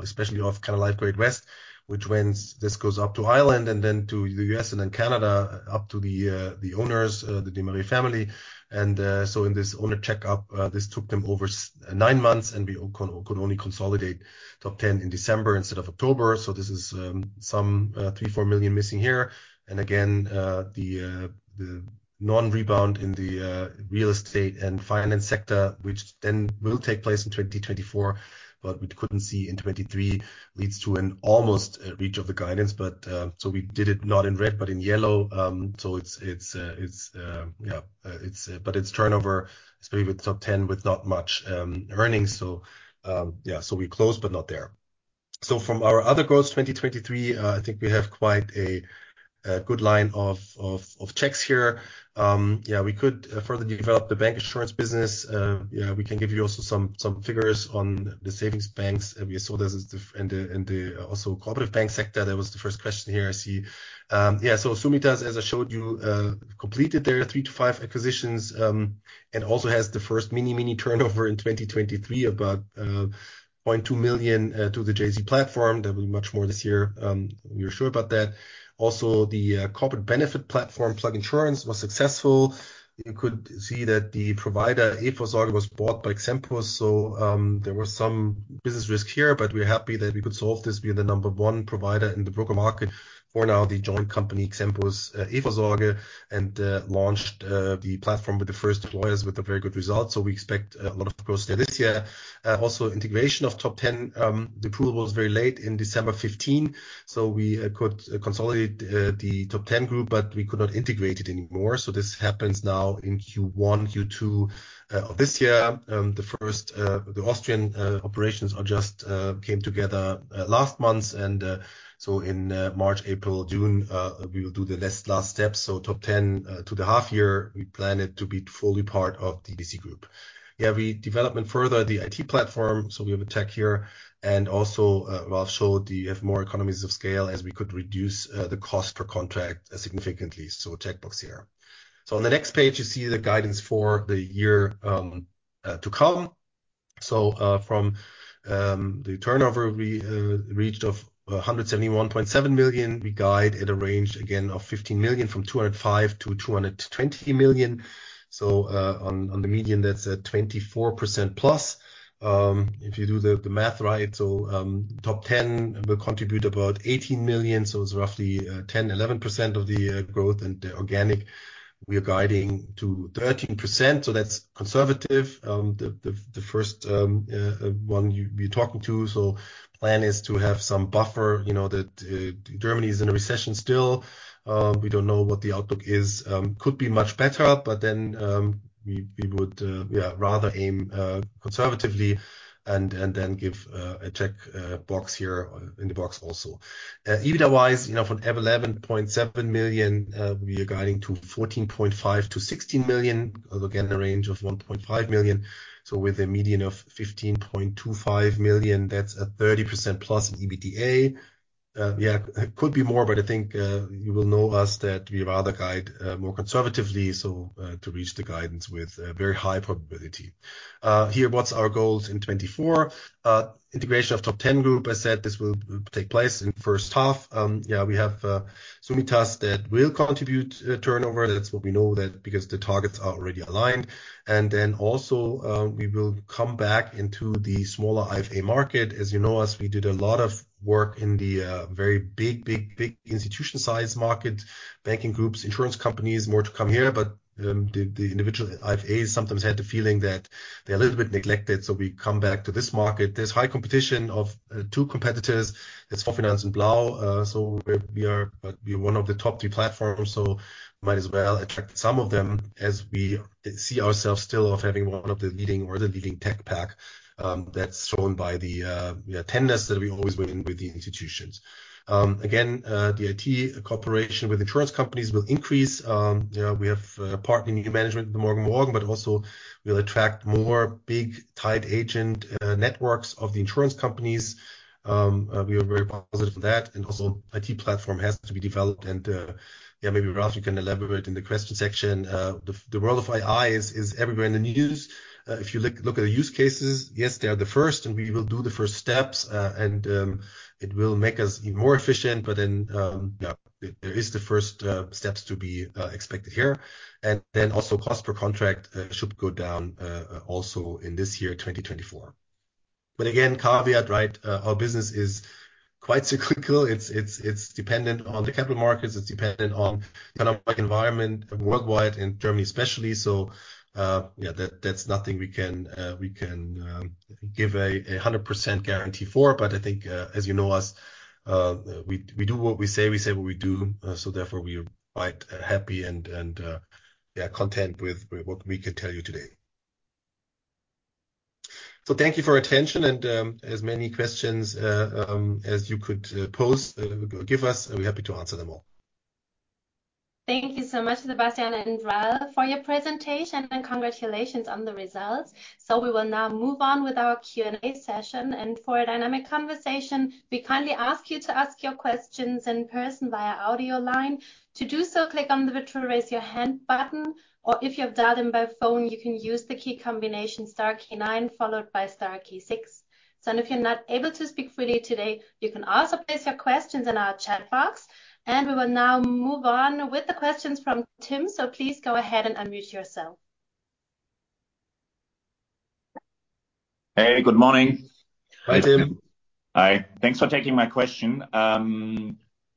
Speaker 3: especially of Canada Life Great-West, which goes up to Ireland and then to the US and then Canada, up to the owners, the Desmarais family. So in this owner checkup, this took them over nine months, and we could only consolidate Top Ten in December instead of October. So this is some 3-4 million missing here. And again, the non-rebound in the real estate and finance sector, which then will take place in 2024, but we couldn't see in 2023, leads to an almost reach of the guidance. But so we did it not in red, but in yellow. So it's turnover, especially with Top Ten with not much earnings. So yeah, so we close, but not there. So from our other growth 2023, I think we have quite a good line of checks here. Yeah, we could further develop the bancassurance business. Yeah, we can give you also some figures on the savings banks. We saw this in the also cooperative bank sector. That was the first question here, I see. Yeah, so Summitas, as I showed you, completed their 3-5 acquisitions, and also has the first mini turnover in 2023 about 0.2 million to the JDC platform. There will be much more this year. We are sure about that. Also, the corporate benefit platform, Plus Insurance, was successful. You could see that the provider eVorsorge was bought by Xempus. So, there was some business risk here, but we're happy that we could solve this via the number one provider in the broker market for now, the joint company Xempus eVorsorge, and launched the platform with the first employers with a very good result. So we expect a lot of growth there this year. Also integration of Top Ten, the approval was very late in December 2015. So we could consolidate the Top Ten group, but we could not integrate it anymore. So this happens now in Q1, Q2, of this year. The first, the Austrian, operations are just came together last month. And so in March, April, June, we will do the last, last steps. So Top Ten to the half year, we plan it to be fully part of JDC Group. Yeah, we develop further the IT platform. So we have a tech here. And also, Ralph showed you have more economies of scale as we could reduce the cost per contract significantly. So checkbox here. So on the next page, you see the guidance for the year to come. So from the turnover, we reached 171.7 million. We guide at a range, again, of 15 million from 205 million to 220 million. So on the median, that's a 24%+. If you do the math right, so top 10 will contribute about 18 million. So it's roughly 10%-11% of the growth. And the organic, we are guiding to 13%. So that's conservative. The first one you're talking to. So plan is to have some buffer, you know, that Germany is in a recession still. We don't know what the outlook is. could be much better, but then, we would, yeah, rather aim conservatively and then give a check box here in the box also. EBITDA-wise, you know, from 11.7 million, we are guiding to 14.5 million-16 million. Again, a range of 1.5 million. So with a median of 15.25 million, that's a 30%+ in EBITDA. Yeah, could be more, but I think, you will know us that we rather guide more conservatively. So, to reach the guidance with a very high probability. Here, what's our goals in 2024? Integration of Top Ten Group. I said this will take place in first half. Yeah, we have Summitas that will contribute turnover. That's what we know that because the targets are already aligned. And then also, we will come back into the smaller IFA market. As you know us, we did a lot of work in the very big, big, big institution-sized market, banking groups, insurance companies, more to come here. But the individual IFAs sometimes had the feeling that they're a little bit neglected. So we come back to this market. There's high competition of two competitors. It's Fonds Finanz and Blau. So we are, but we are one of the top three platforms. So might as well attract some of them as we see ourselves still of having one of the leading or the leading tech stack, that's shown by the, yeah, tenders that we always win with the institutions. Again, the IT cooperation with insurance companies will increase. Yeah, we have partnering new management with Morgen & Morgen, but also we'll attract more big tied agent networks of the insurance companies. We are very positive for that. Also IT platform has to be developed. And, yeah, maybe Ralph, you can elaborate in the question section. The world of AI is everywhere in the news. If you look at the use cases, yes, they are the first, and we will do the first steps. And it will make us even more efficient. But then, yeah, there is the first steps to be expected here. And then also cost per contract should go down, also in this year, 2024. But again, caveat, right? Our business is quite cyclical. It's dependent on the capital markets. It's dependent on the economic environment worldwide and Germany especially. So, yeah, that's nothing we can give a 100% guarantee for. But I think, as you know us, we do what we say. We say what we do. So therefore, we are quite happy and yeah, content with what we can tell you today. So thank you for attention. And as many questions as you could pose, give us. We're happy to answer them all.
Speaker 1: Thank you so much, Sebastian and Ralph, for your presentation. And congratulations on the results. So we will now move on with our Q&A session. And for a dynamic conversation, we kindly ask you to ask your questions in person via audio line. To do so, click on the virtual raise your hand button. Or if you have dialed in by phone, you can use the key combination star key 9 followed by star key 6. So if you're not able to speak freely today, you can also place your questions in our chat box. And we will now move on with the questions from Tim. So please go ahead and unmute yourself.
Speaker 4: Hey, good morning. Hi, Tim. Hi. Thanks for taking my question.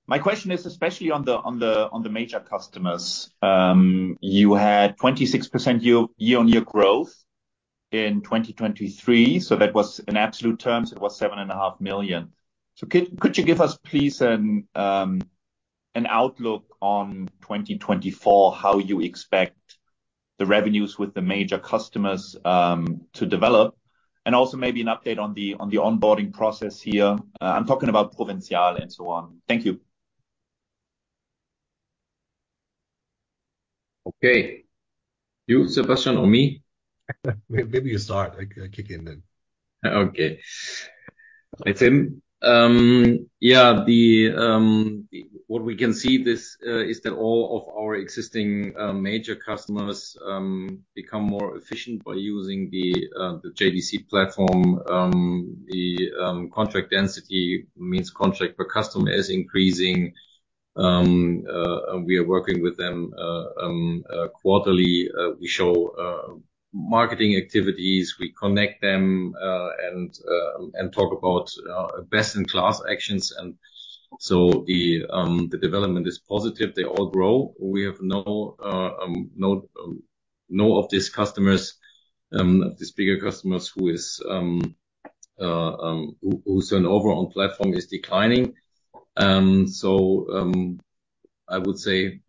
Speaker 4: My question is especially on the major customers. You had 26% year-over-year growth in 2023. So that was in absolute terms, it was 7.5 million. So could you give us, please, an outlook on 2024, how you expect the revenues with the major customers to develop? And also maybe an update on the onboarding process here. I'm talking about Provinzial and so on. Thank you. Okay. You, Sebastian, or me? Maybe you start. I kick in then. Okay. Hi, Tim. Yeah, what we can see is that all of our existing major customers become more efficient by using the JDC platform. The contract density means contract per customer is increasing. We are working with them quarterly. We show marketing activities.
Speaker 3: We connect them and talk about best-in-class actions. And so the development is positive. They all grow. We have no of these customers, of these bigger customers who turnover on platform is declining. So, I would say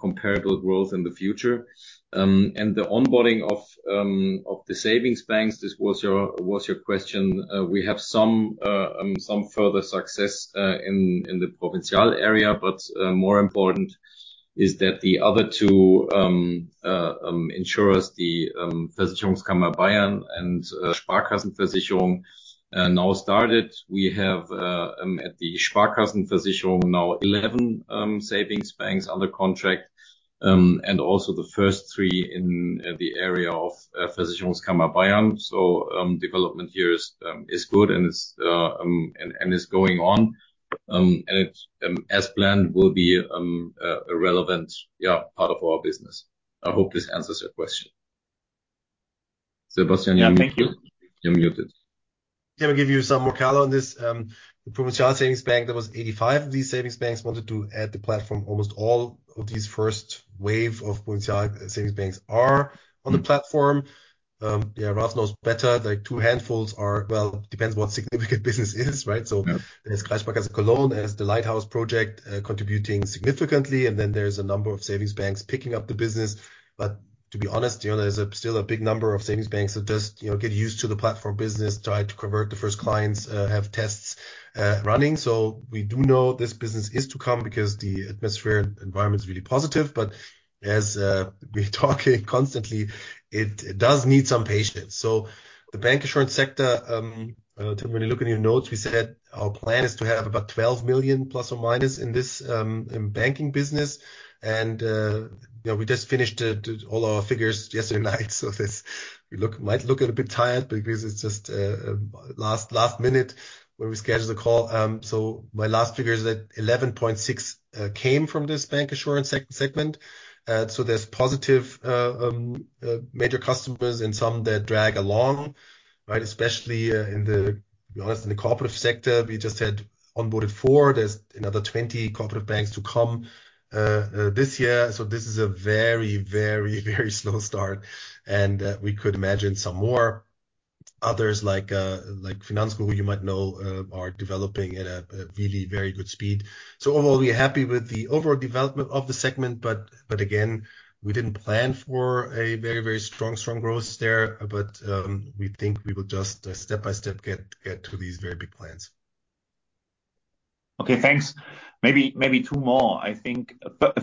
Speaker 3: comparable growth in the future. And the onboarding of the savings banks, this was your question. We have some further success in the Provinzial area. But more important is that the other two insurers, the Versicherungskammer Bayern and Sparkassenversicherung, now started. We have at the Sparkassenversicherung now 11 savings banks under contract, and also the first three in the area of Versicherungskammer Bayern. So, development here is good and it is going on. And it, as planned, will be a relevant, yeah, part of our business. I hope this answers your question. Sebastian, you're muted. Yeah, thank you. You're muted. Yeah, I'll give you some more color on this. The Provinzial savings bank, there was 85 of these savings banks wanted to add the platform. Almost all of these first wave of Provinzial savings banks are on the platform. Yeah, Ralph knows better. Like, two handfuls are, well, depends what significant business is, right? So there's Kreissparkasse Cologne, there's the Lighthouse project, contributing significantly. And then there's a number of savings banks picking up the business. But to be honest, you know, there's still a big number of savings banks. So just, you know, get used to the platform business, try to convert the first clients, have tests, running. So we do know this business is to come because the atmosphere and environment is really positive. But as, we're talking constantly, it does need some patience. So the bank assurance sector, Tim, when you look in your notes, we said our plan is to have about 12 million ± in this, in banking business. And, you know, we just finished all our figures yesterday night. So this, we look, might look a little bit tired because it's just, last, last minute when we schedule the call. So my last figure is that 11.6 million came from this bank assurance segment. So there's positive, major customers and some that drag along, right? Especially, in the, to be honest, in the cooperative sector, we just had onboarded 4. There's another 20 cooperative banks to come, this year. So this is a very, very, very slow start. And, we could imagine some more. Others like, like Finanzgruppe, who you might know, are developing at a really very good speed. So overall, we're happy with the overall development of the segment. But again, we didn't plan for a very strong growth there. But we think we will just step by step get to these very big plans.
Speaker 4: Okay, thanks. Maybe two more. I think,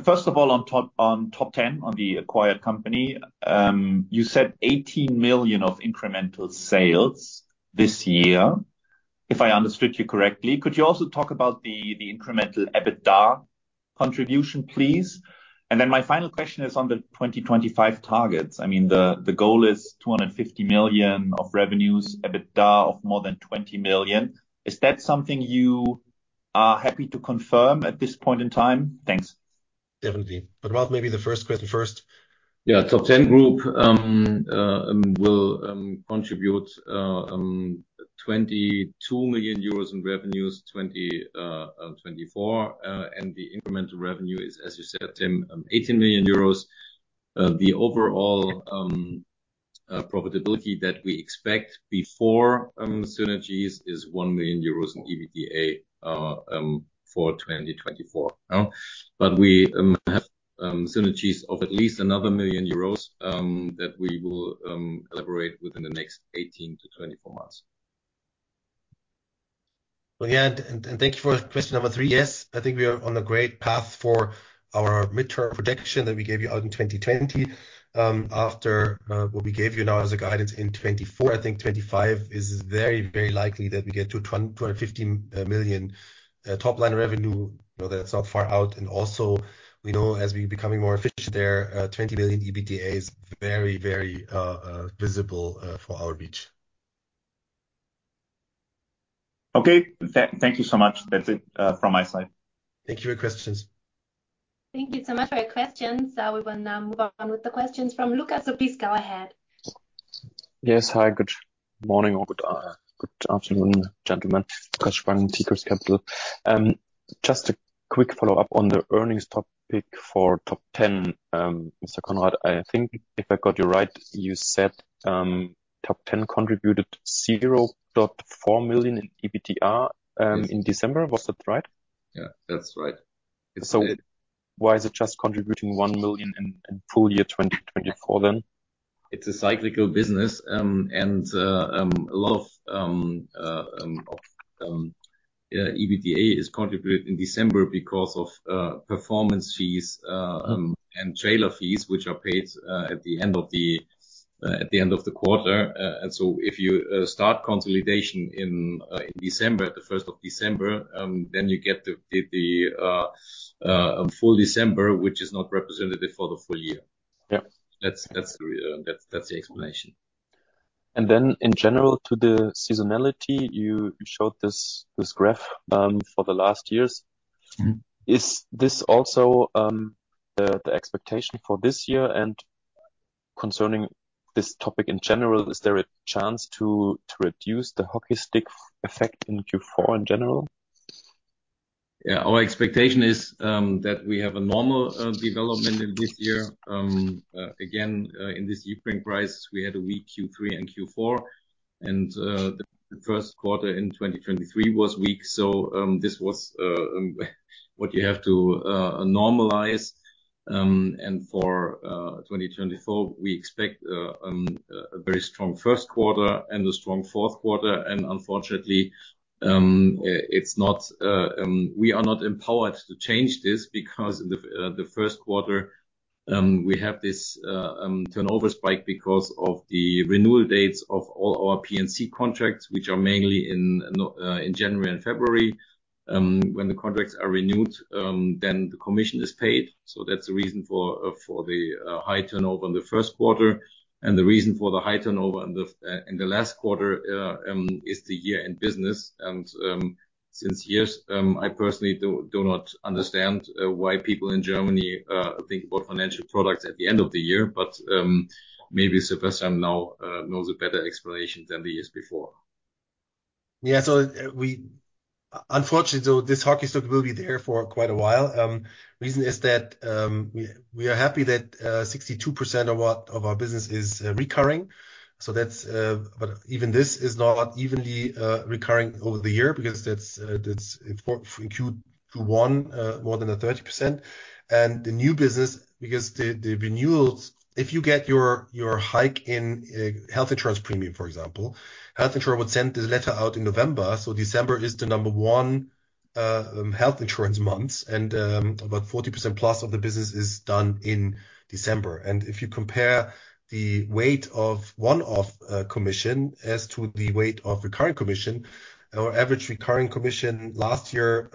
Speaker 4: first of all, on Top Ten, on the acquired company, you said 18 million of incremental sales this year, if I understood you correctly. Could you also talk about the incremental EBITDA contribution, please? And then my final question is on the 2025 targets. I mean, the goal is 250 million of revenues, EBITDA of more than 20 million. Is that something you are happy to confirm at this point in time? Thanks. Definitely. But Ralph, maybe the first question first. Yeah, Top Ten Group will contribute 22 million in revenues 2024.
Speaker 3: And the incremental revenue is, as you said, Tim, 18 million euros. The overall profitability that we expect before synergies is 1 million euros in EBITDA for 2024, no? But we have synergies of at least another 1 million euros that we will elaborate within the next 18-24 months. Well, yeah. And thank you for question number three. Yes, I think we are on a great path for our midterm projection that we gave you out in 2020, after what we gave you now as a guidance in 2024. I think 2025 is very, very likely that we get to 250 million top-line revenue. You know, that's not far out. And also we know as we're becoming more efficient there, 20 million EBITDA is very, very visible for our reach. Okay. Thank you so much. That's it from my side. Thank you for your questions. Thank you so much for your questions. We will now move on with the questions from Lucas. So please go ahead.
Speaker 5: Yes. Hi. Good morning or good, good afternoon, gentlemen, Kaspar and Tigris Capital. Just a quick follow-up on the earnings topic for Top Ten, Mr. Konrad. I think if I got you right, you said, Top Ten contributed 0.4 million in EBITDA, in December. Was that right? Yeah, that's right. It's a why is it just contributing 1 million in, in full year 2024 then? It's a cyclical business. And, a lot of, of, yeah, EBITDA is contributed in December because of, performance fees, and trailer fees, which are paid, at the end of the, at the end of the quarter.
Speaker 3: And so if you start consolidation in December, the 1st of December, then you get the full December, which is not representative for the full year. Yeah, that's the explanation. And then in general to the seasonality, you showed this graph for the last years. Is this also the expectation for this year? And concerning this topic in general, is there a chance to reduce the hockey stick effect in Q4 in general? Yeah, our expectation is that we have a normal development in this year. Again, in this Ukraine crisis, we had a weak Q3 and Q4. And the first quarter in 2023 was weak. So this was what you have to normalize. And for 2024, we expect a very strong first quarter and a strong fourth quarter. Unfortunately, it's not. We are not empowered to change this because in the first quarter, we have this turnover spike because of the renewal dates of all our P&C contracts, which are mainly in January and February. When the contracts are renewed, then the commission is paid. So that's the reason for the high turnover in the first quarter. And the reason for the high turnover in the last quarter is the year-end business. And for years, I personally do not understand why people in Germany think about financial products at the end of the year. But maybe Sebastian now knows a better explanation than the years before. Yeah. So we unfortunately so this hockey stick will be there for quite a while. The reason is that we are happy that 62% of our business is recurring. So that's, but even this is not evenly recurring over the year because that's in Q1 more than 30%. And the new business, because the renewals, if you get your hike in health insurance premium, for example, health insurer would send this letter out in November. So December is the number one health insurance month. And about 40%+ of the business is done in December. And if you compare the weight of one-off commission as to the weight of recurring commission, our average recurring commission last year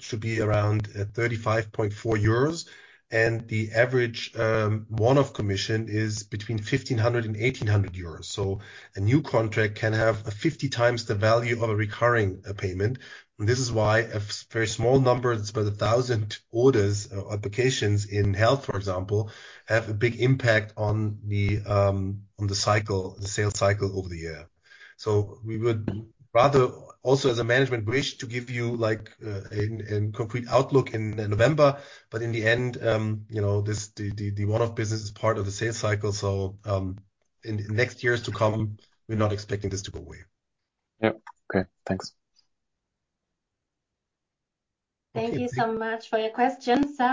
Speaker 3: should be around 35.4 euros. And the average one-off commission is between 1,500-1,800 euros. So a new contract can have 50x the value of a recurring payment. And this is why a very small number, it's about 1,000 orders or applications in health, for example, have a big impact on the cycle, the sales cycle over the year. So we would rather also, as a management, wish to give you like, a concrete outlook in November. But in the end, you know, this, the one-off business is part of the sales cycle. So, in next years to come, we're not expecting this to go away. Yeah. Okay. Thanks.
Speaker 1: Thank you so much for your questions. So,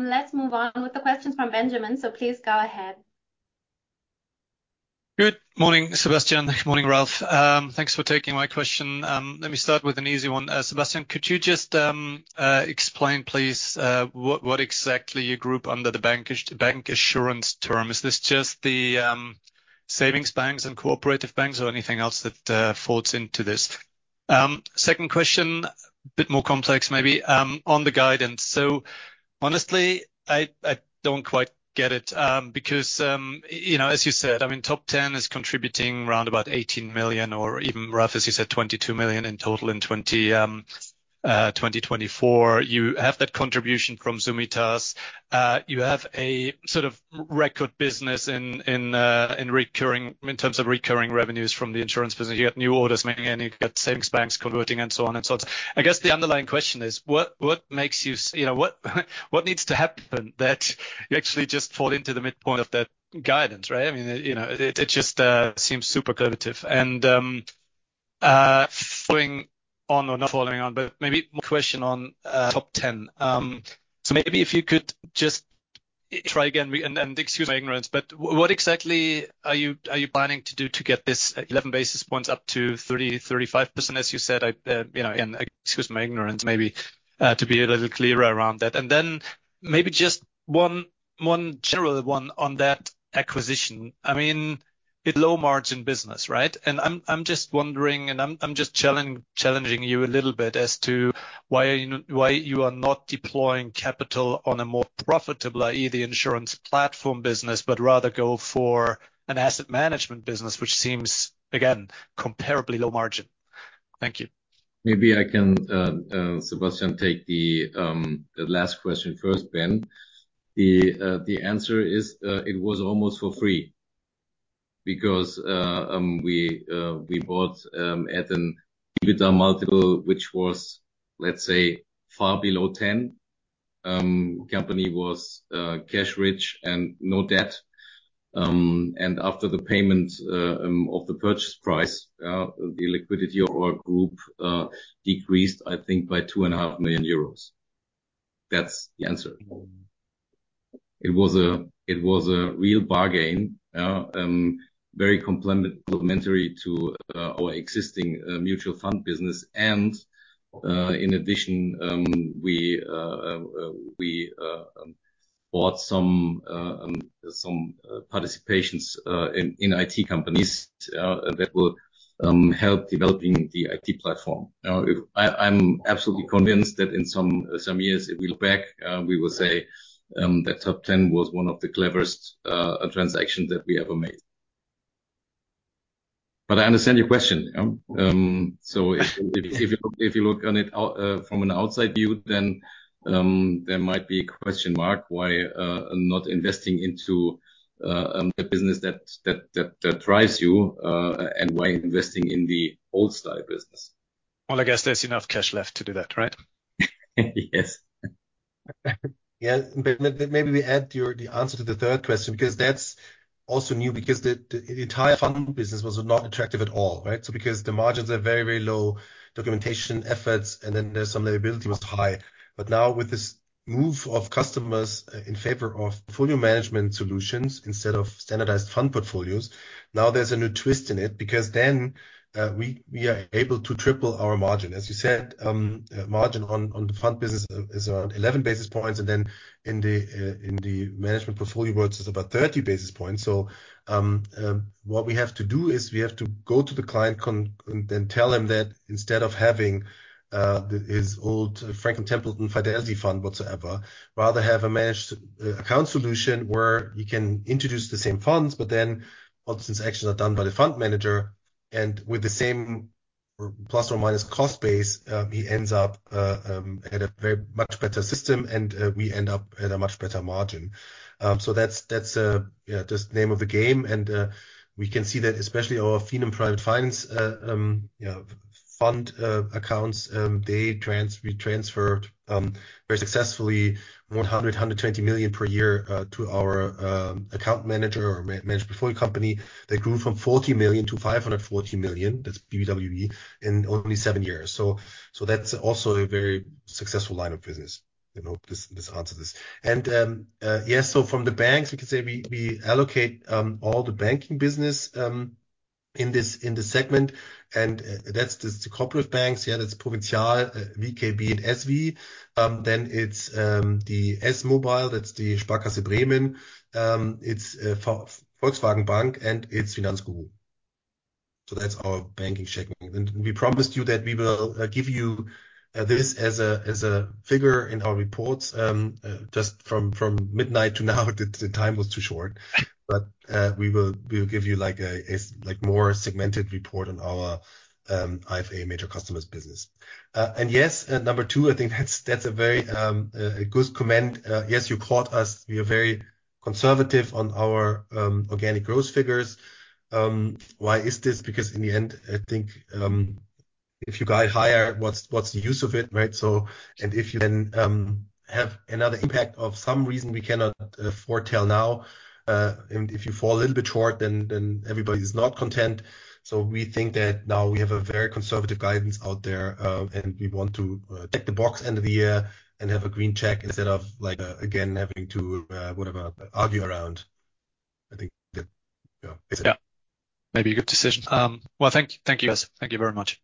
Speaker 1: let's move on with the questions from Benjamin. So please go ahead.
Speaker 6: Good morning, Sebastian. Good morning, Ralph. Thanks for taking my question. Let me start with an easy one. Sebastian, could you just explain, please, what exactly you group under the bank assurance term? Is this just the savings banks and cooperative banks or anything else that falls into this? Second question, a bit more complex, maybe, on the guidance. So honestly, I don't quite get it, because, you know, as you said, I mean, Top Ten is contributing around about 18 million or even, Ralph, as you said, 22 million in total in 2024. You have that contribution from Summitas. You have a sort of record business in recurring, in terms of recurring revenues from the insurance business. You got new orders making and you got savings banks converting and so on and so on. I guess the underlying question is, what makes you, you know, what needs to happen that you actually just fall into the midpoint of that guidance, right? I mean, you know, it just seems super conservative.
Speaker 3: And, following on or not following on, but maybe more question on, Top Ten. So maybe if you could just try again and, and excuse my ignorance, but what exactly are you, are you planning to do to get this 11 basis points up to 30%-35%, as you said? I, you know, again, excuse my ignorance, maybe, to be a little clearer around that. And then maybe just one, one general one on that acquisition. I mean, it's low-margin business, right? And I'm, I'm just wondering and I'm, I'm just challenging you a little bit as to why are you, why you are not deploying capital on a more profitable, i.e., the insurance platform business, but rather go for an asset management business, which seems, again, comparably low margin. Thank you. Maybe I can, Sebastian, take the, the last question first, Ben. The answer is, it was almost for free because we bought at an EBITDA multiple, which was, let's say, far below 10. The company was cash-rich and no debt. And after the payment of the purchase price, the liquidity of our group decreased, I think, by 2.5 million euros. That's the answer. It was a real bargain, yeah, very complementary to our existing mutual fund business. And in addition, we bought some participations in IT companies that will help developing the IT platform. You know, I'm absolutely convinced that in some years, if we look back, we will say that Top Ten was one of the cleverest transactions that we ever made. But I understand your question, yeah. So if you look on it from an outside view, then there might be a question mark why not investing into the business that drives you, and why investing in the old-style business. Well, I guess there's enough cash left to do that, right? Yes. Yeah. Maybe we add to the answer to the third question because that's also new because the entire fund business was not attractive at all, right? So because the margins are very, very low, documentation efforts, and then there's some liability was high. But now with this move of customers in favor of portfolio management solutions instead of standardized fund portfolios, now there's a new twist in it because then we are able to triple our margin. As you said, margin on the fund business is around 11 basis points. Then in the management portfolio world, it's about 30 basis points. So, what we have to do is we have to go to the client and then tell them that instead of having his old Franklin Templeton Fidelity fund whatsoever, rather have a managed account solution where you can introduce the same funds, but then all these actions are done by the fund manager. And with the same plus or minus cost base, he ends up at a very much better system, and we end up at a much better margin. So that's, that's, yeah, just name of the game. And we can see that especially our FiNUM Private Finance, yeah, fund accounts, they transfer, we transferred very successfully 100 million-120 million per year to our account manager or managed portfolio company. They grew from 40 million-540 million. That's BBWV in only seven years. So that's also a very successful line of business. I hope this answers this. Yes. So from the banks, we can say we allocate all the banking business in this segment. And that's the cooperative banks. Yeah. That's Provinzial, VKB and SV. Then it's the S-Mobile. That's the Sparkasse Bremen. It's Volkswagen Bank and it's Finanzguru. So that's our banking checking. And we promised you that we will give you this as a figure in our reports, just from midnight to now. The time was too short. But we will give you like a more segmented report on our IFA major customers business. And yes, number two, I think that's a very good comment. Yes, you caught us. We are very conservative on our organic growth figures. Why is this? Because in the end, I think, if you guide higher, what's the use of it, right? So, and if you then have another impact of some reason we cannot foretell now, and if you fall a little bit short, then everybody is not content. So we think that now we have a very conservative guidance out there, and we want to tick the box end of the year and have a green check instead of like, again, having to whatever, argue around. I think that, yeah, is it?
Speaker 6: Yeah. Maybe a good decision. Well, thank you. Thank you. Thank you very much.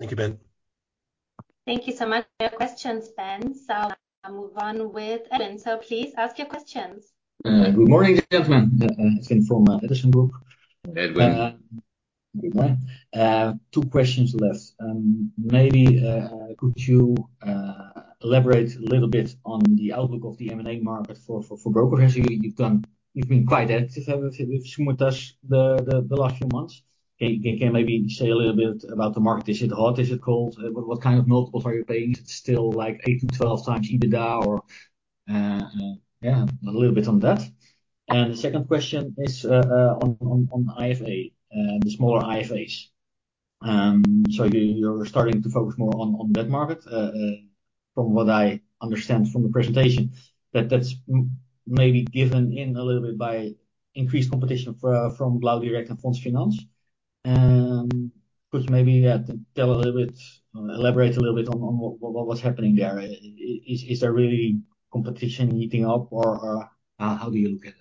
Speaker 6: Thank you, Ben.
Speaker 1: Thank you so much. No questions, Ben. So I'll move on with Edwin. So please ask your questions.
Speaker 7: Good morning, gentlemen. Edwin from Edison Group. Edwin. Good morning. Two questions left. Maybe, could you elaborate a little bit on the outlook of the M&A market for brokers? As you've done, you've been quite active with Summitas the last few months. Can you, can you maybe say a little bit about the market? Is it hot? Is it cold? What kind of multiples are you paying? Is it still like 8x-12x EBITDA or, yeah, a little bit on that? And the second question is, on IFA, the smaller IFAs. So you, you're starting to focus more on that market, from what I understand from the presentation, that's maybe given in a little bit by increased competition from blau direkt and Fonds Finanz. Could you maybe, yeah, tell a little bit, elaborate a little bit on what was happening there?
Speaker 3: Is there really competition heating up or how do you look at it?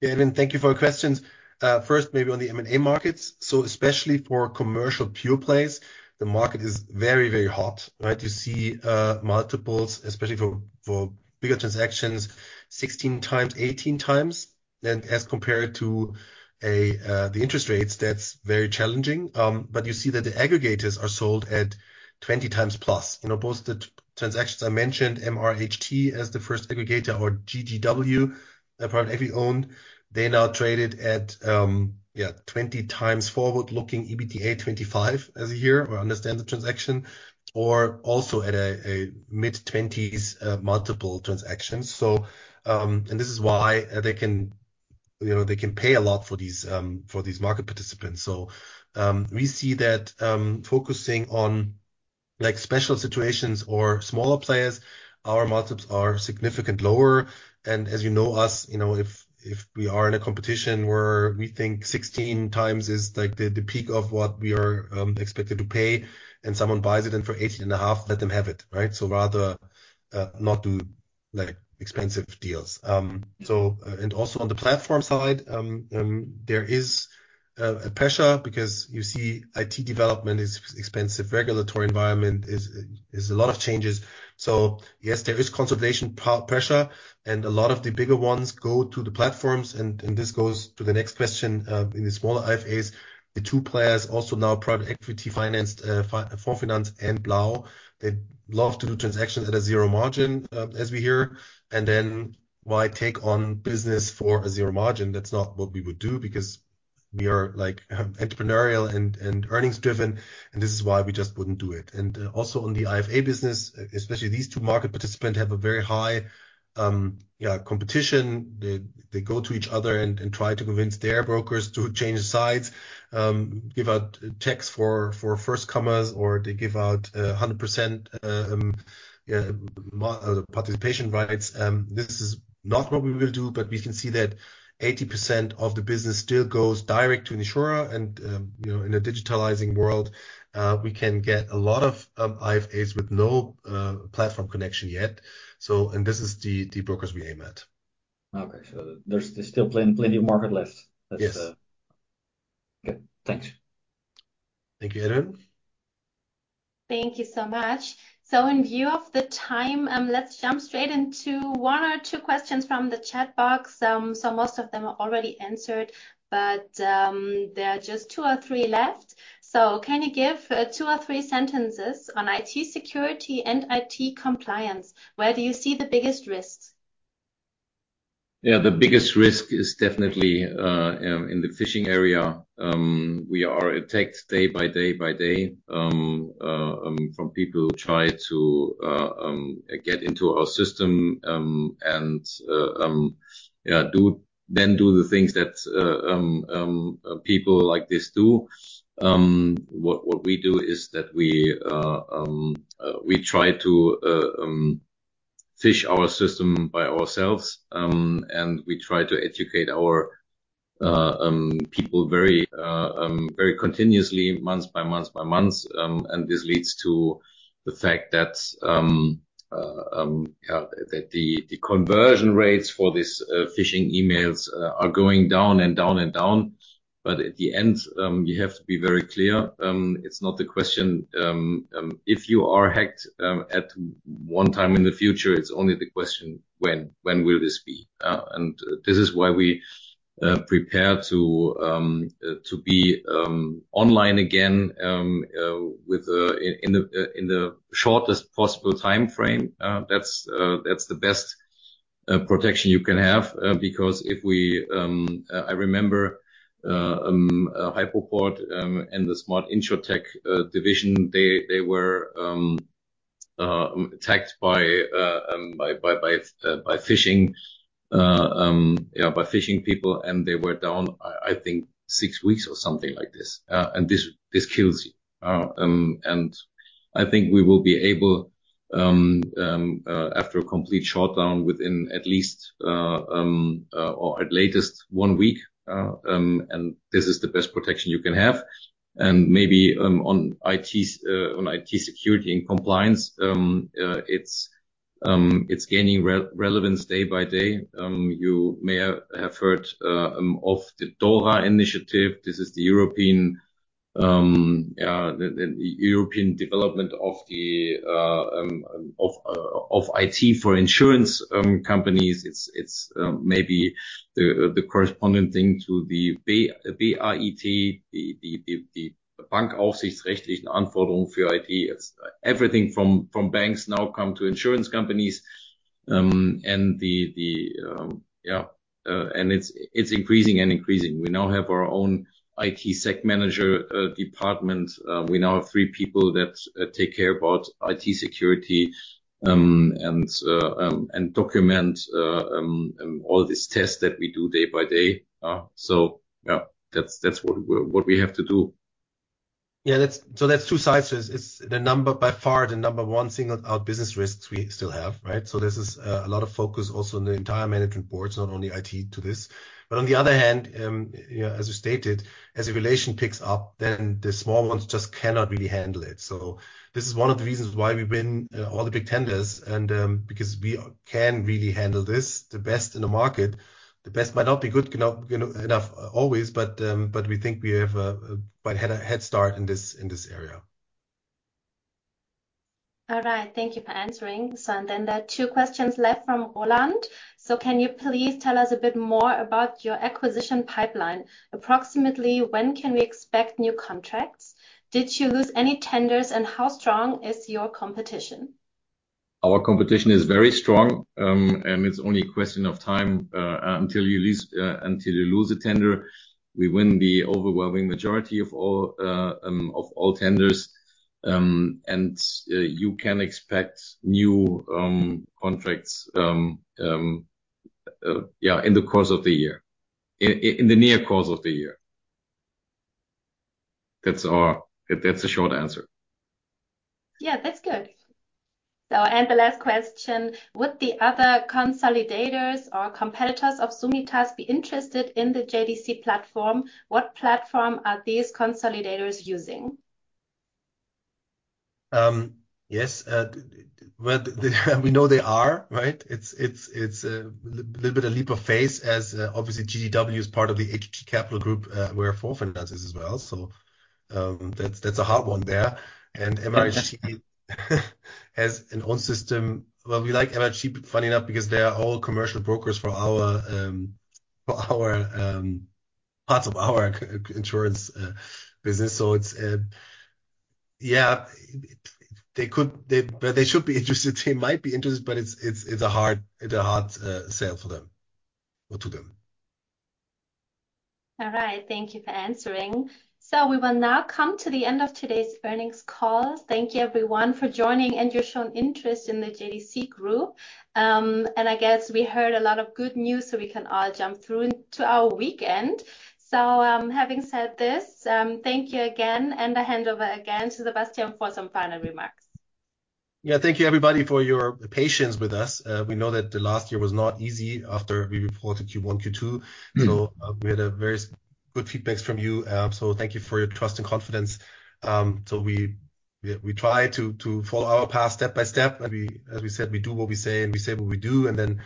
Speaker 2: Yeah. Edwin, thank you for your questions. First, maybe on the M&A markets. So especially for commercial pure plays, the market is very, very hot, right? You see, multiples, especially for bigger transactions, 16x, 18x. And as compared to the interest rates, that's very challenging. But you see that the aggregators are sold at 20x plus. You know, both the transactions I mentioned, MRH Trowe as the first aggregator or GGW, a private equity owned, they now traded at, yeah, 20x forward-looking EBITDA 25 as a year or understand the transaction or also at a mid-20s multiple transactions. So, and this is why, they can, you know, they can pay a lot for these, for these market participants.
Speaker 3: So, we see that, focusing on like special situations or smaller players, our multiples are significantly lower. And as you know us, you know, if, if we are in a competition where we think 16x is like the, the peak of what we are expected to pay and someone buys it for 18.5x, let them have it, right? So rather, not do like expensive deals. So, and also on the platform side, there is a pressure because you see IT development is expensive. Regulatory environment is a lot of changes. So yes, there is consolidation pressure and a lot of the bigger ones go to the platforms. And this goes to the next question, in the smaller IFAs. The two players, also now private equity financed, Fonds Finanz and Blau, they love to do transactions at a zero margin, as we hear. And then why take on business for a zero margin? That's not what we would do because we are like, entrepreneurial and, and earnings-driven. And this is why we just wouldn't do it. And also on the IFA business, especially these two market participants have a very high, yeah, competition. They, they go to each other and, and try to convince their brokers to change sides, give out checks for, for firstcomers or they give out, 100%, yeah, participation rights. This is not what we will do, but we can see that 80% of the business still goes direct to an insurer. And, you know, in a digitalizing world, we can get a lot of, IFAs with no, platform connection yet. So, and this is the, the brokers we aim at. Okay. So there's, there's still plenty, plenty of market left. That's, okay. Thanks. Thank you, Edwin.
Speaker 1: Thank you so much. So in view of the time, let's jump straight into one or two questions from the chat box. So most of them are already answered, but there are just two or three left. So can you give two or three sentences on IT security and IT compliance? Where do you see the biggest risks?
Speaker 3: Yeah. The biggest risk is definitely in the phishing area. We are attacked day by day by day from people who try to get into our system, and yeah, do then do the things that people like this do. What we do is that we try to phish our system by ourselves. And we try to educate our people very, very continuously, months by months by months. And this leads to the fact that, yeah, that the conversion rates for this phishing emails are going down and down and down. But at the end, you have to be very clear. It's not the question if you are hacked at one time in the future; it's only the question when, when will this be? And this is why we prepare to be online again in the shortest possible timeframe. That's the best protection you can have, because I remember Hypoport and the SmartInsurTech division; they were attacked by phishing, yeah, by phishing people. And they were down, I think, six weeks or something like this. And this kills you. And I think we will be able, after a complete shutdown within at least, or at latest one week. And this is the best protection you can have. And maybe, on IT, on IT security and compliance, it's gaining relevance day by day. You may have heard of the DORA initiative. This is the European, yeah, the European development of the, of, of IT for insurance companies. It's, it's, maybe the, the correspondent thing to the BAIT, the, the, the, the Bankaufsichtsrechtlichen Anforderungen für IT. It's everything from, from banks now come to insurance companies. And the, the, yeah, and it's, it's increasing and increasing. We now have our own IT sec manager department. We now have three people that take care about IT security, and, and document all these tests that we do day by day. So yeah, that's what we're, what we have to do. Yeah. That's, so that's two sides. It's the number by far, the number one singled out business risk we still have, right? So this is a lot of focus also in the entire management board, not only IT, to this. But on the other hand, yeah, as you stated, as the regulation picks up, then the small ones just cannot really handle it. So this is one of the reasons why we win all the big tenders, because we can really handle this, the best in the market. The best might not be good enough always, but we think we have quite a head start in this area.
Speaker 1: All right. Thank you for answering. So, and then there are two questions left from Roland. So can you please tell us a bit more about your acquisition pipeline? Approximately when can we expect new contracts?
Speaker 3: Did you lose any tenders and how strong is your competition? Our competition is very strong. It's only a question of time until you lose, until you lose a tender. We win the overwhelming majority of all, of all tenders. You can expect new contracts, yeah, in the course of the year, in the near course of the year. That's our, that's the short answer. Yeah, that's good. So and the last question, would the other consolidators or competitors of Summitas be interested in the JDC platform? What platform are these consolidators using? Yes. Well, we know they are, right? It's, it's, it's a little bit of a leap of faith as, obviously GGW is part of the HG Capital Group, where Fonds Finanz is as well. So, that's, that's a hard one there. And MRH Trowe has an own system. Well, we like MRH Trowe, funny enough, because they are all commercial brokers for our parts of our insurance business. So it's, yeah, they could, but they should be interested. They might be interested, but it's a hard sale for them or to them.
Speaker 1: All right. Thank you for answering. So we will now come to the end of today's earnings call. Thank you, everyone, for joining and your shown interest in the JDC Group. And I guess we heard a lot of good news, so we can all jump through into our weekend. So, having said this, thank you again and the handover again to Sebastian for some final remarks. Yeah. Thank you, everybody, for your patience with us. We know that the last year was not easy after we reported Q1, Q2. So, we had very good feedbacks from you.
Speaker 3: So thank you for your trust and confidence. So we, yeah, we try to follow our path step by step. And we, as we said, we do what we say and we say what we do. And then,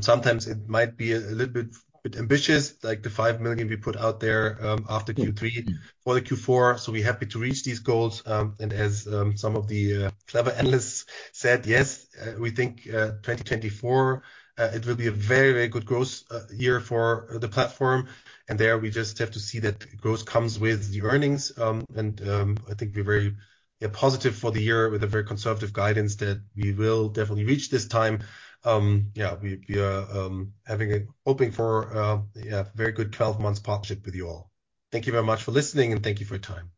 Speaker 3: sometimes it might be a little bit ambitious, like the 5 million we put out there after Q3 for Q4. So we're happy to reach these goals. And as some of the clever analysts said, yes, we think 2024 it will be a very, very good growth year for the platform. And there we just have to see that growth comes with the earnings. And I think we're very, yeah, positive for the year with a very conservative guidance that we will definitely reach this time. Yeah, we are having a hoping for, yeah, very good 12-month partnership with you all. Thank you very much for listening and thank you for your time.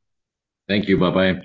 Speaker 3: Thank you. Bye-bye.